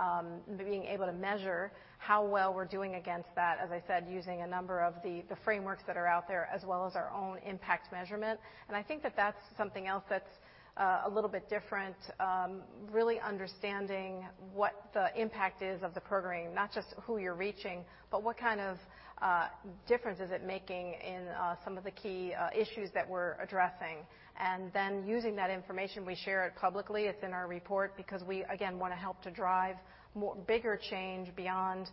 being able to measure how well we're doing against that, as I said, using a number of the frameworks that are out there as well as our own impact measurement. I think that that's something else that's a little bit different, really understanding what the impact is of the programming. Not just who you're reaching, but what kind of difference is it making in some of the key issues that we're addressing. Using that information, we share it publicly. It's in our report because we, again, want to help to drive bigger change beyond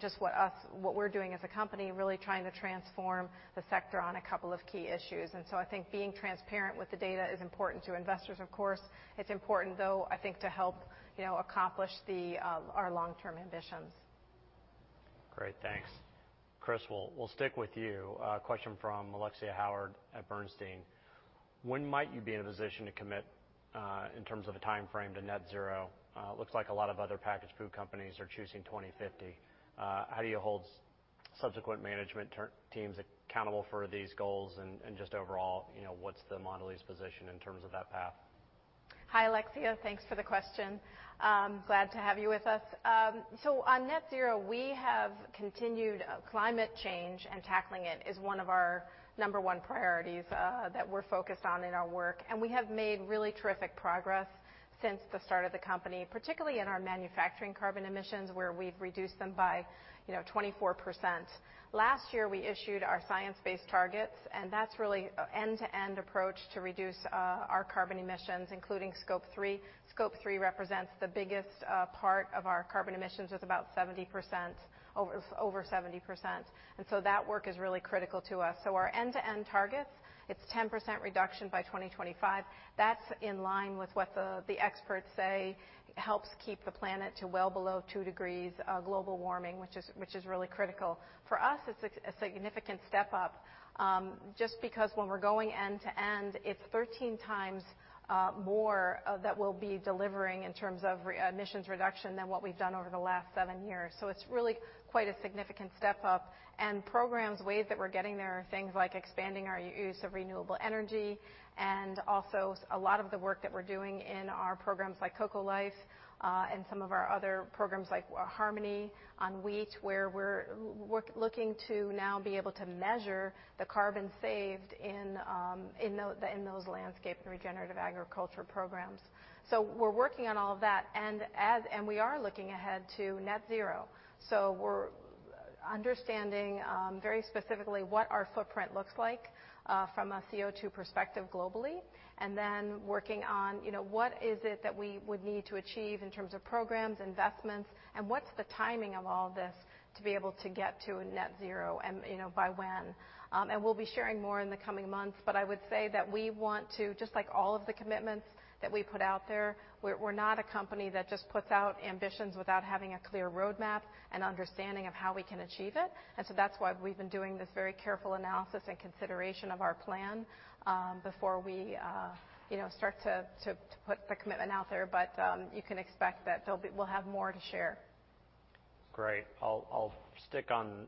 just what we're doing as a company and really trying to transform the sector on a couple of key issues. I think being transparent with the data is important to investors, of course. It's important, though, I think to help accomplish our long-term ambitions. Great. Thanks. Chris, we'll stick with you. A question from Alexia Howard at Bernstein. When might you be in a position to commit, in terms of a timeframe, to net zero? Looks like a lot of other packaged food companies are choosing 2050. How do you hold subsequent management teams accountable for these goals and just overall, what's the Mondelēz position in terms of that path? Hi, Alexia. Thanks for the question. Glad to have you with us. On net zero, we have continued climate change, and tackling it is one of our number one priorities that we're focused on in our work, and we have made really terrific progress since the start of the company, particularly in our manufacturing carbon emissions, where we've reduced them by 24%. Last year, we issued our science-based targets, and that's really an end-to-end approach to reduce our carbon emissions, including Scope 3. Scope 3 represents the biggest part of our carbon emissions with over 70%, and so that work is really critical to us. Our end-to-end target, it's 10% reduction by 2025. That's in line with what the experts say helps keep the planet to well below two degrees of global warming, which is really critical. For us, it's a significant step up, just because when we're going end to end, it's 13x more that we'll be delivering in terms of emissions reduction than what we've done over the last seven years. It's really quite a significant step up. Programs, ways that we're getting there are things like expanding our use of renewable energy, and also a lot of the work that we're doing in our programs like Cocoa Life, and some of our other programs like Harmony on wheat, where we're looking to now be able to measure the carbon saved in those landscape regenerative agriculture programs. We're working on all that, and we are looking ahead to net zero. We're understanding very specifically what our footprint looks like from a CO2 perspective globally, then working on what is it that we would need to achieve in terms of programs, investments, and what's the timing of all this to be able to get to a net zero, and by when. We'll be sharing more in the coming months, but I would say that we want to, just like all of the commitments that we put out there, we're not a company that just puts out ambitions without having a clear roadmap and understanding of how we can achieve it. That's why we've been doing this very careful analysis and consideration of our plan before we start to put the commitment out there, but you can expect that we'll have more to share. Great. I'll stick on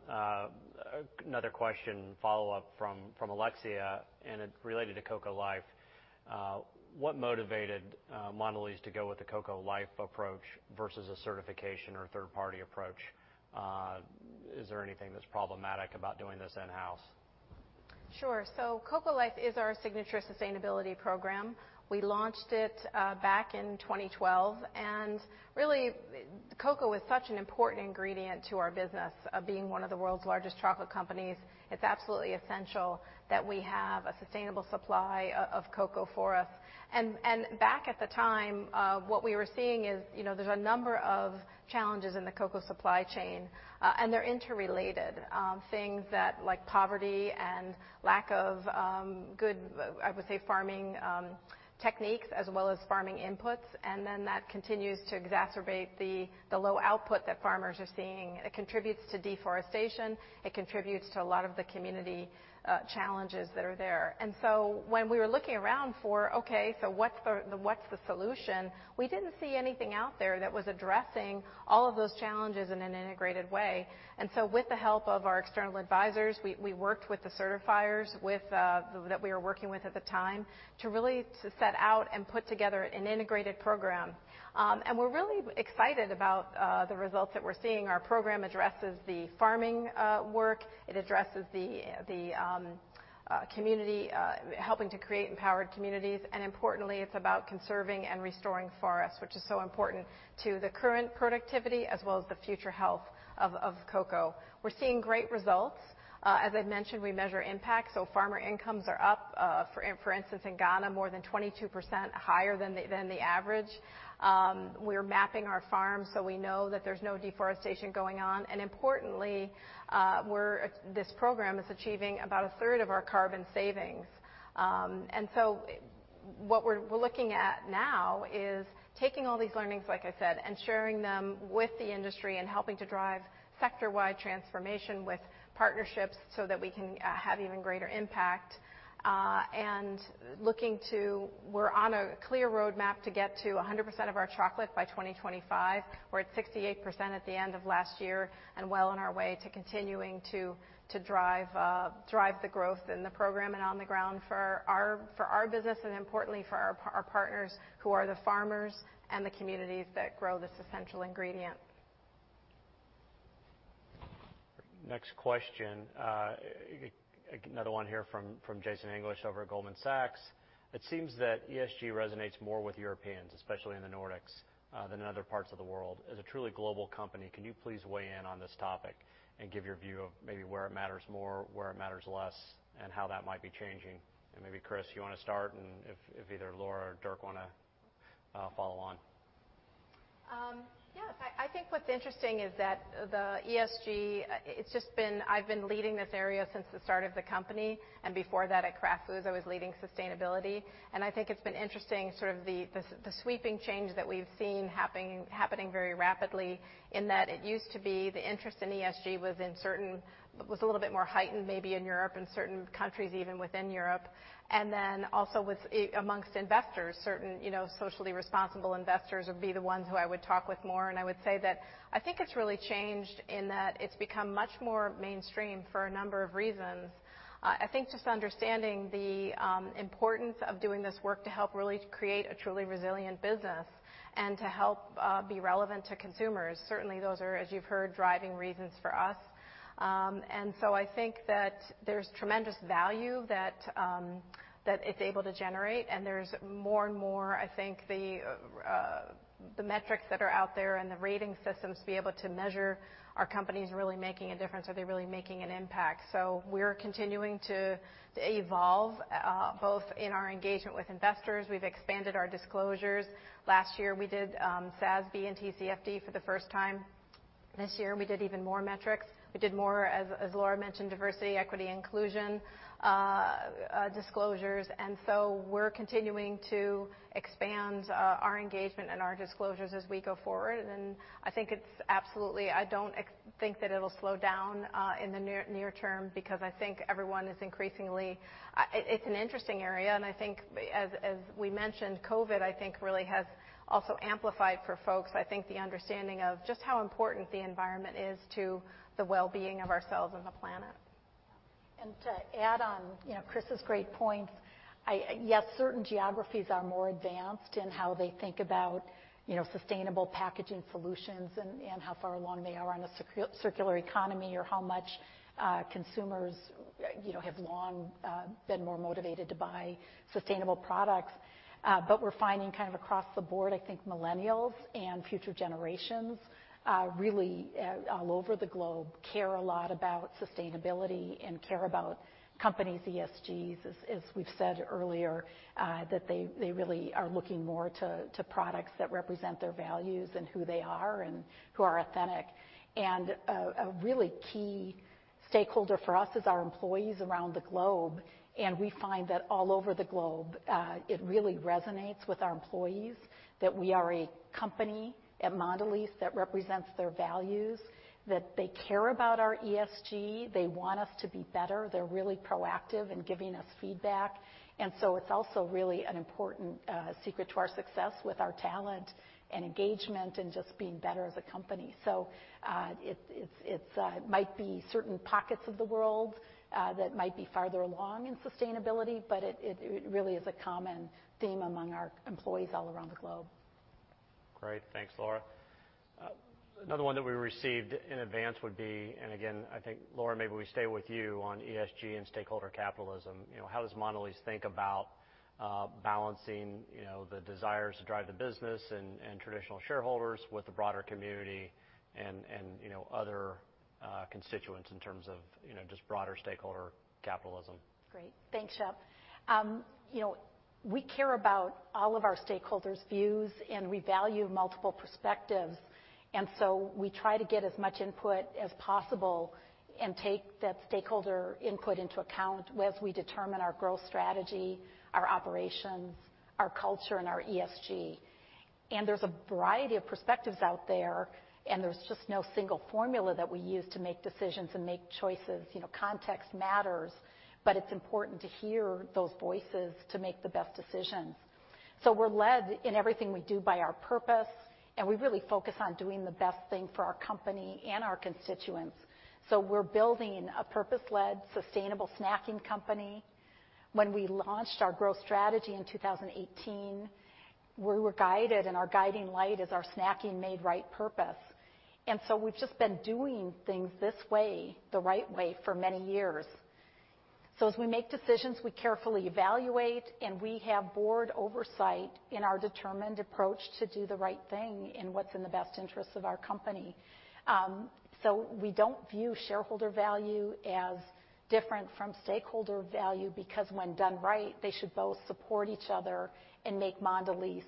another question, follow-up from Alexia. It related to Cocoa Life. What motivated Mondelēz to go with the Cocoa Life approach versus a certification or third-party approach? Is there anything that's problematic about doing this in-house? Sure. Cocoa Life is our signature sustainability program. We launched it back in 2012, really, cocoa is such an important ingredient to our business, being one of the world's largest chocolate companies. It's absolutely essential that we have a sustainable supply of cocoa for us. Back at the time, what we were seeing is there's a number of challenges in the cocoa supply chain, they're interrelated, things like poverty and lack of good, I would say, farming techniques as well as farming inputs, that continues to exacerbate the low output that farmers are seeing. It contributes to deforestation. It contributes to a lot of the community challenges that are there. When we were looking around for, okay, what's the solution, we didn't see anything out there that was addressing all of those challenges in an integrated way. With the help of our external advisors, we worked with the certifiers that we were working with at the time to really set out and put together an integrated program. We're really excited about the results that we're seeing. Our program addresses the farming work. It addresses helping to create empowered communities, and importantly, it's about conserving and restoring forests, which is so important to the current productivity as well as the future health of cocoa. We're seeing great results. As I mentioned, we measure impact, so farmer incomes are up. For instance, in Ghana, more than 22% higher than the average. We're mapping our farms so we know that there's no deforestation going on, and importantly, this program is achieving about 1/3 of our carbon savings. What we're looking at now is taking all these learnings, like I said, and sharing them with the industry and helping to drive sector-wide transformation with partnerships so that we can have even greater impact. We're on a clear roadmap to get to 100% of our chocolate by 2025. We're at 68% at the end of last year and well on our way to continuing to drive the growth in the program and on the ground for our business and importantly for our partners who are the farmers and the communities that grow this essential ingredient. Next question, another one here from Jason English over at Goldman Sachs. It seems that ESG resonates more with Europeans, especially in the Nordics, than other parts of the world. As a truly global company, can you please weigh in on this topic and give your view of maybe where it matters more, where it matters less, and how that might be changing? Maybe, Chris, you want to start, and if either Laura or Dirk want to follow on. Yeah. I think what's interesting is that the ESG, I've been leading this area since the start of the company, and before that at Kraft Foods, I was leading sustainability. I think it's been interesting, sort of the sweeping change that we've seen happening very rapidly, in that it used to be the interest in ESG was a little bit more heightened, maybe in Europe, in certain countries even within Europe, and then also amongst investors. Certain socially responsible investors would be the ones who I would talk with more, and I would say that I think it's really changed in that it's become much more mainstream for a number of reasons. I think just understanding the importance of doing this work to help really create a truly resilient business and to help be relevant to consumers. Certainly, those are, as you've heard, driving reasons for us. I think that there's tremendous value that it's able to generate, and there's more and more, I think, the metrics that are out there and the rating systems to be able to measure are companies really making a difference? Are they really making an impact? We're continuing to evolve, both in our engagement with investors. We've expanded our disclosures. Last year, we did SASB and TCFD for the first time. This year, we did even more metrics. We did more, as Laura mentioned, diversity, equity, inclusion disclosures. We're continuing to expand our engagement and our disclosures as we go forward. I don't think that it'll slow down in the near term. It's an interesting area, I think, as we mentioned, COVID really has also amplified for folks, I think, the understanding of just how important the environment is to the well-being of ourselves and the planet. To add on Chris' great points, yes, certain geographies are more advanced in how they think about sustainable packaging solutions and how far along they are on a circular economy or how much consumers have long been more motivated to buy sustainable products. We're finding kind of across the board, I think millennials and future generations really all over the globe care a lot about sustainability and care about companies' ESG. As we've said earlier, that they really are looking more to products that represent their values and who they are and who are authentic. A really key stakeholder for us is our employees around the globe. We find that all over the globe, it really resonates with our employees that we are a company at Mondelēz that represents their values, that they care about our ESG. They want us to be better. They're really proactive in giving us feedback. It's also really an important secret to our success with our talent and engagement and just being better as a company. It might be certain pockets of the world that might be farther along in sustainability, but it really is a common theme among our employees all around the globe. Great. Thanks, Laura. Another one that we received in advance would be, again, I think, Laura, maybe we stay with you on ESG and stakeholder capitalism. How does Mondelēz think about balancing the desires to drive the business and traditional shareholders with the broader community and other constituents in terms of just broader stakeholder capitalism? Great. Thanks, Shep. We care about all of our stakeholders' views, and we value multiple perspectives. We try to get as much input as possible and take that stakeholder input into account as we determine our growth strategy, our operations, our culture, and our ESG. There's a variety of perspectives out there, and there's just no single formula that we use to make decisions and make choices. Context matters, but it's important to hear those voices to make the best decisions. We're led in everything we do by our purpose, and we really focus on doing the best thing for our company and our constituents. We're building a purpose-led, sustainable snacking company. When we launched our growth strategy in 2018, we were guided, and our guiding light is our Snacking Made Right purpose. We've just been doing things this way, the right way, for many years. As we make decisions, we carefully evaluate, and we have board oversight in our determined approach to do the right thing and what's in the best interest of our company. We don't view shareholder value as different from stakeholder value because when done right, they should both support each other and make Mondelēz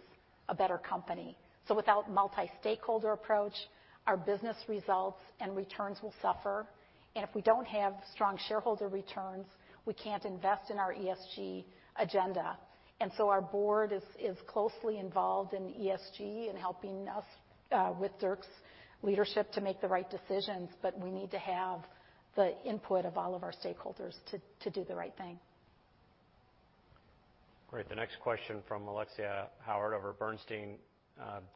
a better company. Without multi-stakeholder approach, our business results and returns will suffer. If we don't have strong shareholder returns, we can't invest in our ESG agenda. Our board is closely involved in ESG and helping us with Dirk's leadership to make the right decisions. We need to have the input of all of our stakeholders to do the right thing. Great. The next question from Alexia Howard over at Bernstein.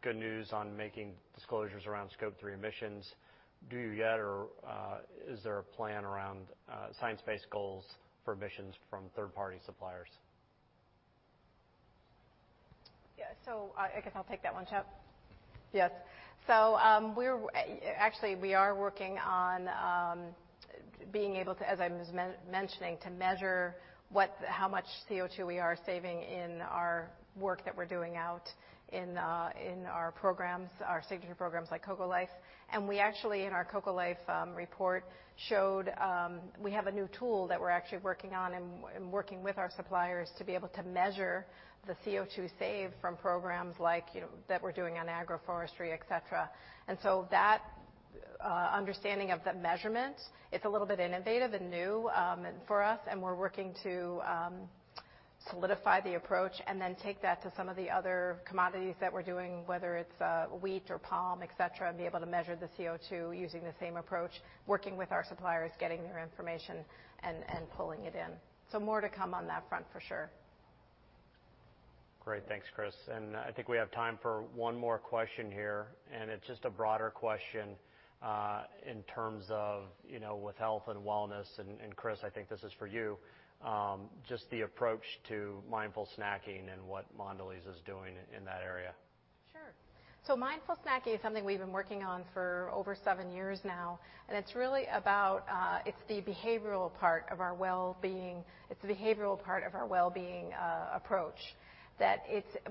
Good news on making disclosures around Scope 3 emissions. Do you yet, or is there a plan around science-based goals for emissions from third-party suppliers? Yeah. I guess I'll take that one, Shep. Yes. Actually, we are working on being able to, as I was mentioning, to measure how much CO2 we are saving in our work that we're doing out in our programs, our safety programs like Cocoa Life. We actually, in our Cocoa Life report, showed we have a new tool that we're actually working on and working with our suppliers to be able to measure the CO2 saved from programs that we're doing on agroforestry, et cetera. That understanding of the measurements, it's a little bit innovative and new for us, and we're working to solidify the approach and then take that to some of the other commodities that we're doing, whether it's wheat or palm, et cetera, and be able to measure the CO2 using the same approach, working with our suppliers, getting their information, and pulling it in. More to come on that front for sure. Great. Thanks, Chris. I think we have time for one more question here, and it's just a broader question, in terms of with health and wellness, and Chris, I think this is for you, just the approach to mindful snacking and what Mondelēz is doing in that area. Sure. Mindful snacking is something we've been working on for over seven years now, and it's really about, it's the behavioral part of our well-being approach. That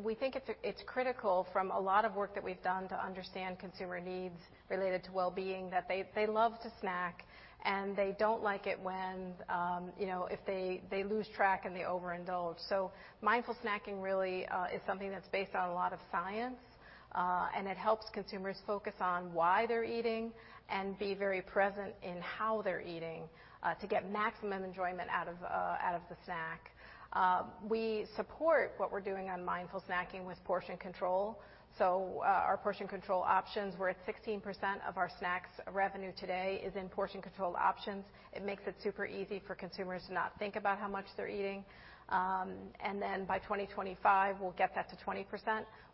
we think it's critical from a lot of work that we've done to understand consumer needs related to well-being, that they love to snack, and they don't like it when they lose track and they overindulge. Mindful snacking really is something that's based on a lot of science, and it helps consumers focus on why they're eating and be very present in how they're eating, to get maximum enjoyment out of the snack. We support what we're doing on mindful snacking with portion control. Our portion control options, we're at 16% of our snacks revenue today is in portion control options. It makes it super easy for consumers to not think about how much they're eating. By 2025, we'll get that to 20%.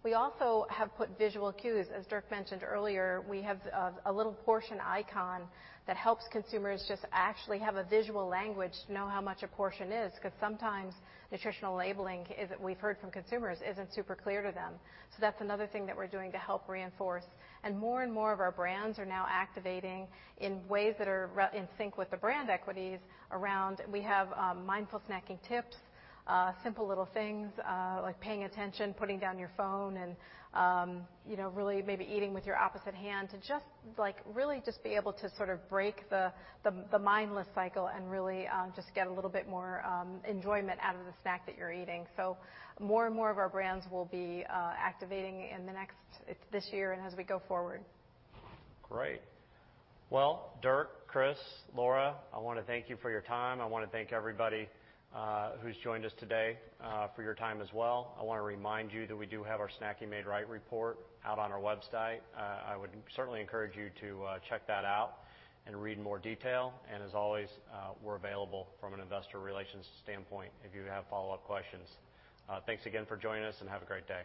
We also have put visual cues, as Dirk mentioned earlier. We have a little portion icon that helps consumers just actually have a visual language to know how much a portion is, because sometimes nutritional labeling, we've heard from consumers, isn't super clear to them. That's another thing that we're doing to help reinforce. More and more of our brands are now activating in ways that are in sync with the brand equities around, we have mindful snacking tips, simple little things, like paying attention, putting down your phone and really just be able to sort of break the mindless cycle and really just get a little bit more enjoyment out of the snack that you're eating. More and more of our brands will be activating in the next, this year and as we go forward. Great. Well, Dirk, Chris, Laura, I want to thank you for your time. I want to thank everybody who's joined us today for your time as well. I want to remind you that we do have our Snacking Made Right report out on our website. I would certainly encourage you to check that out and read more detail. As always, we're available from an investor relations standpoint if you have follow-up questions. Thanks again for joining us, and have a great day.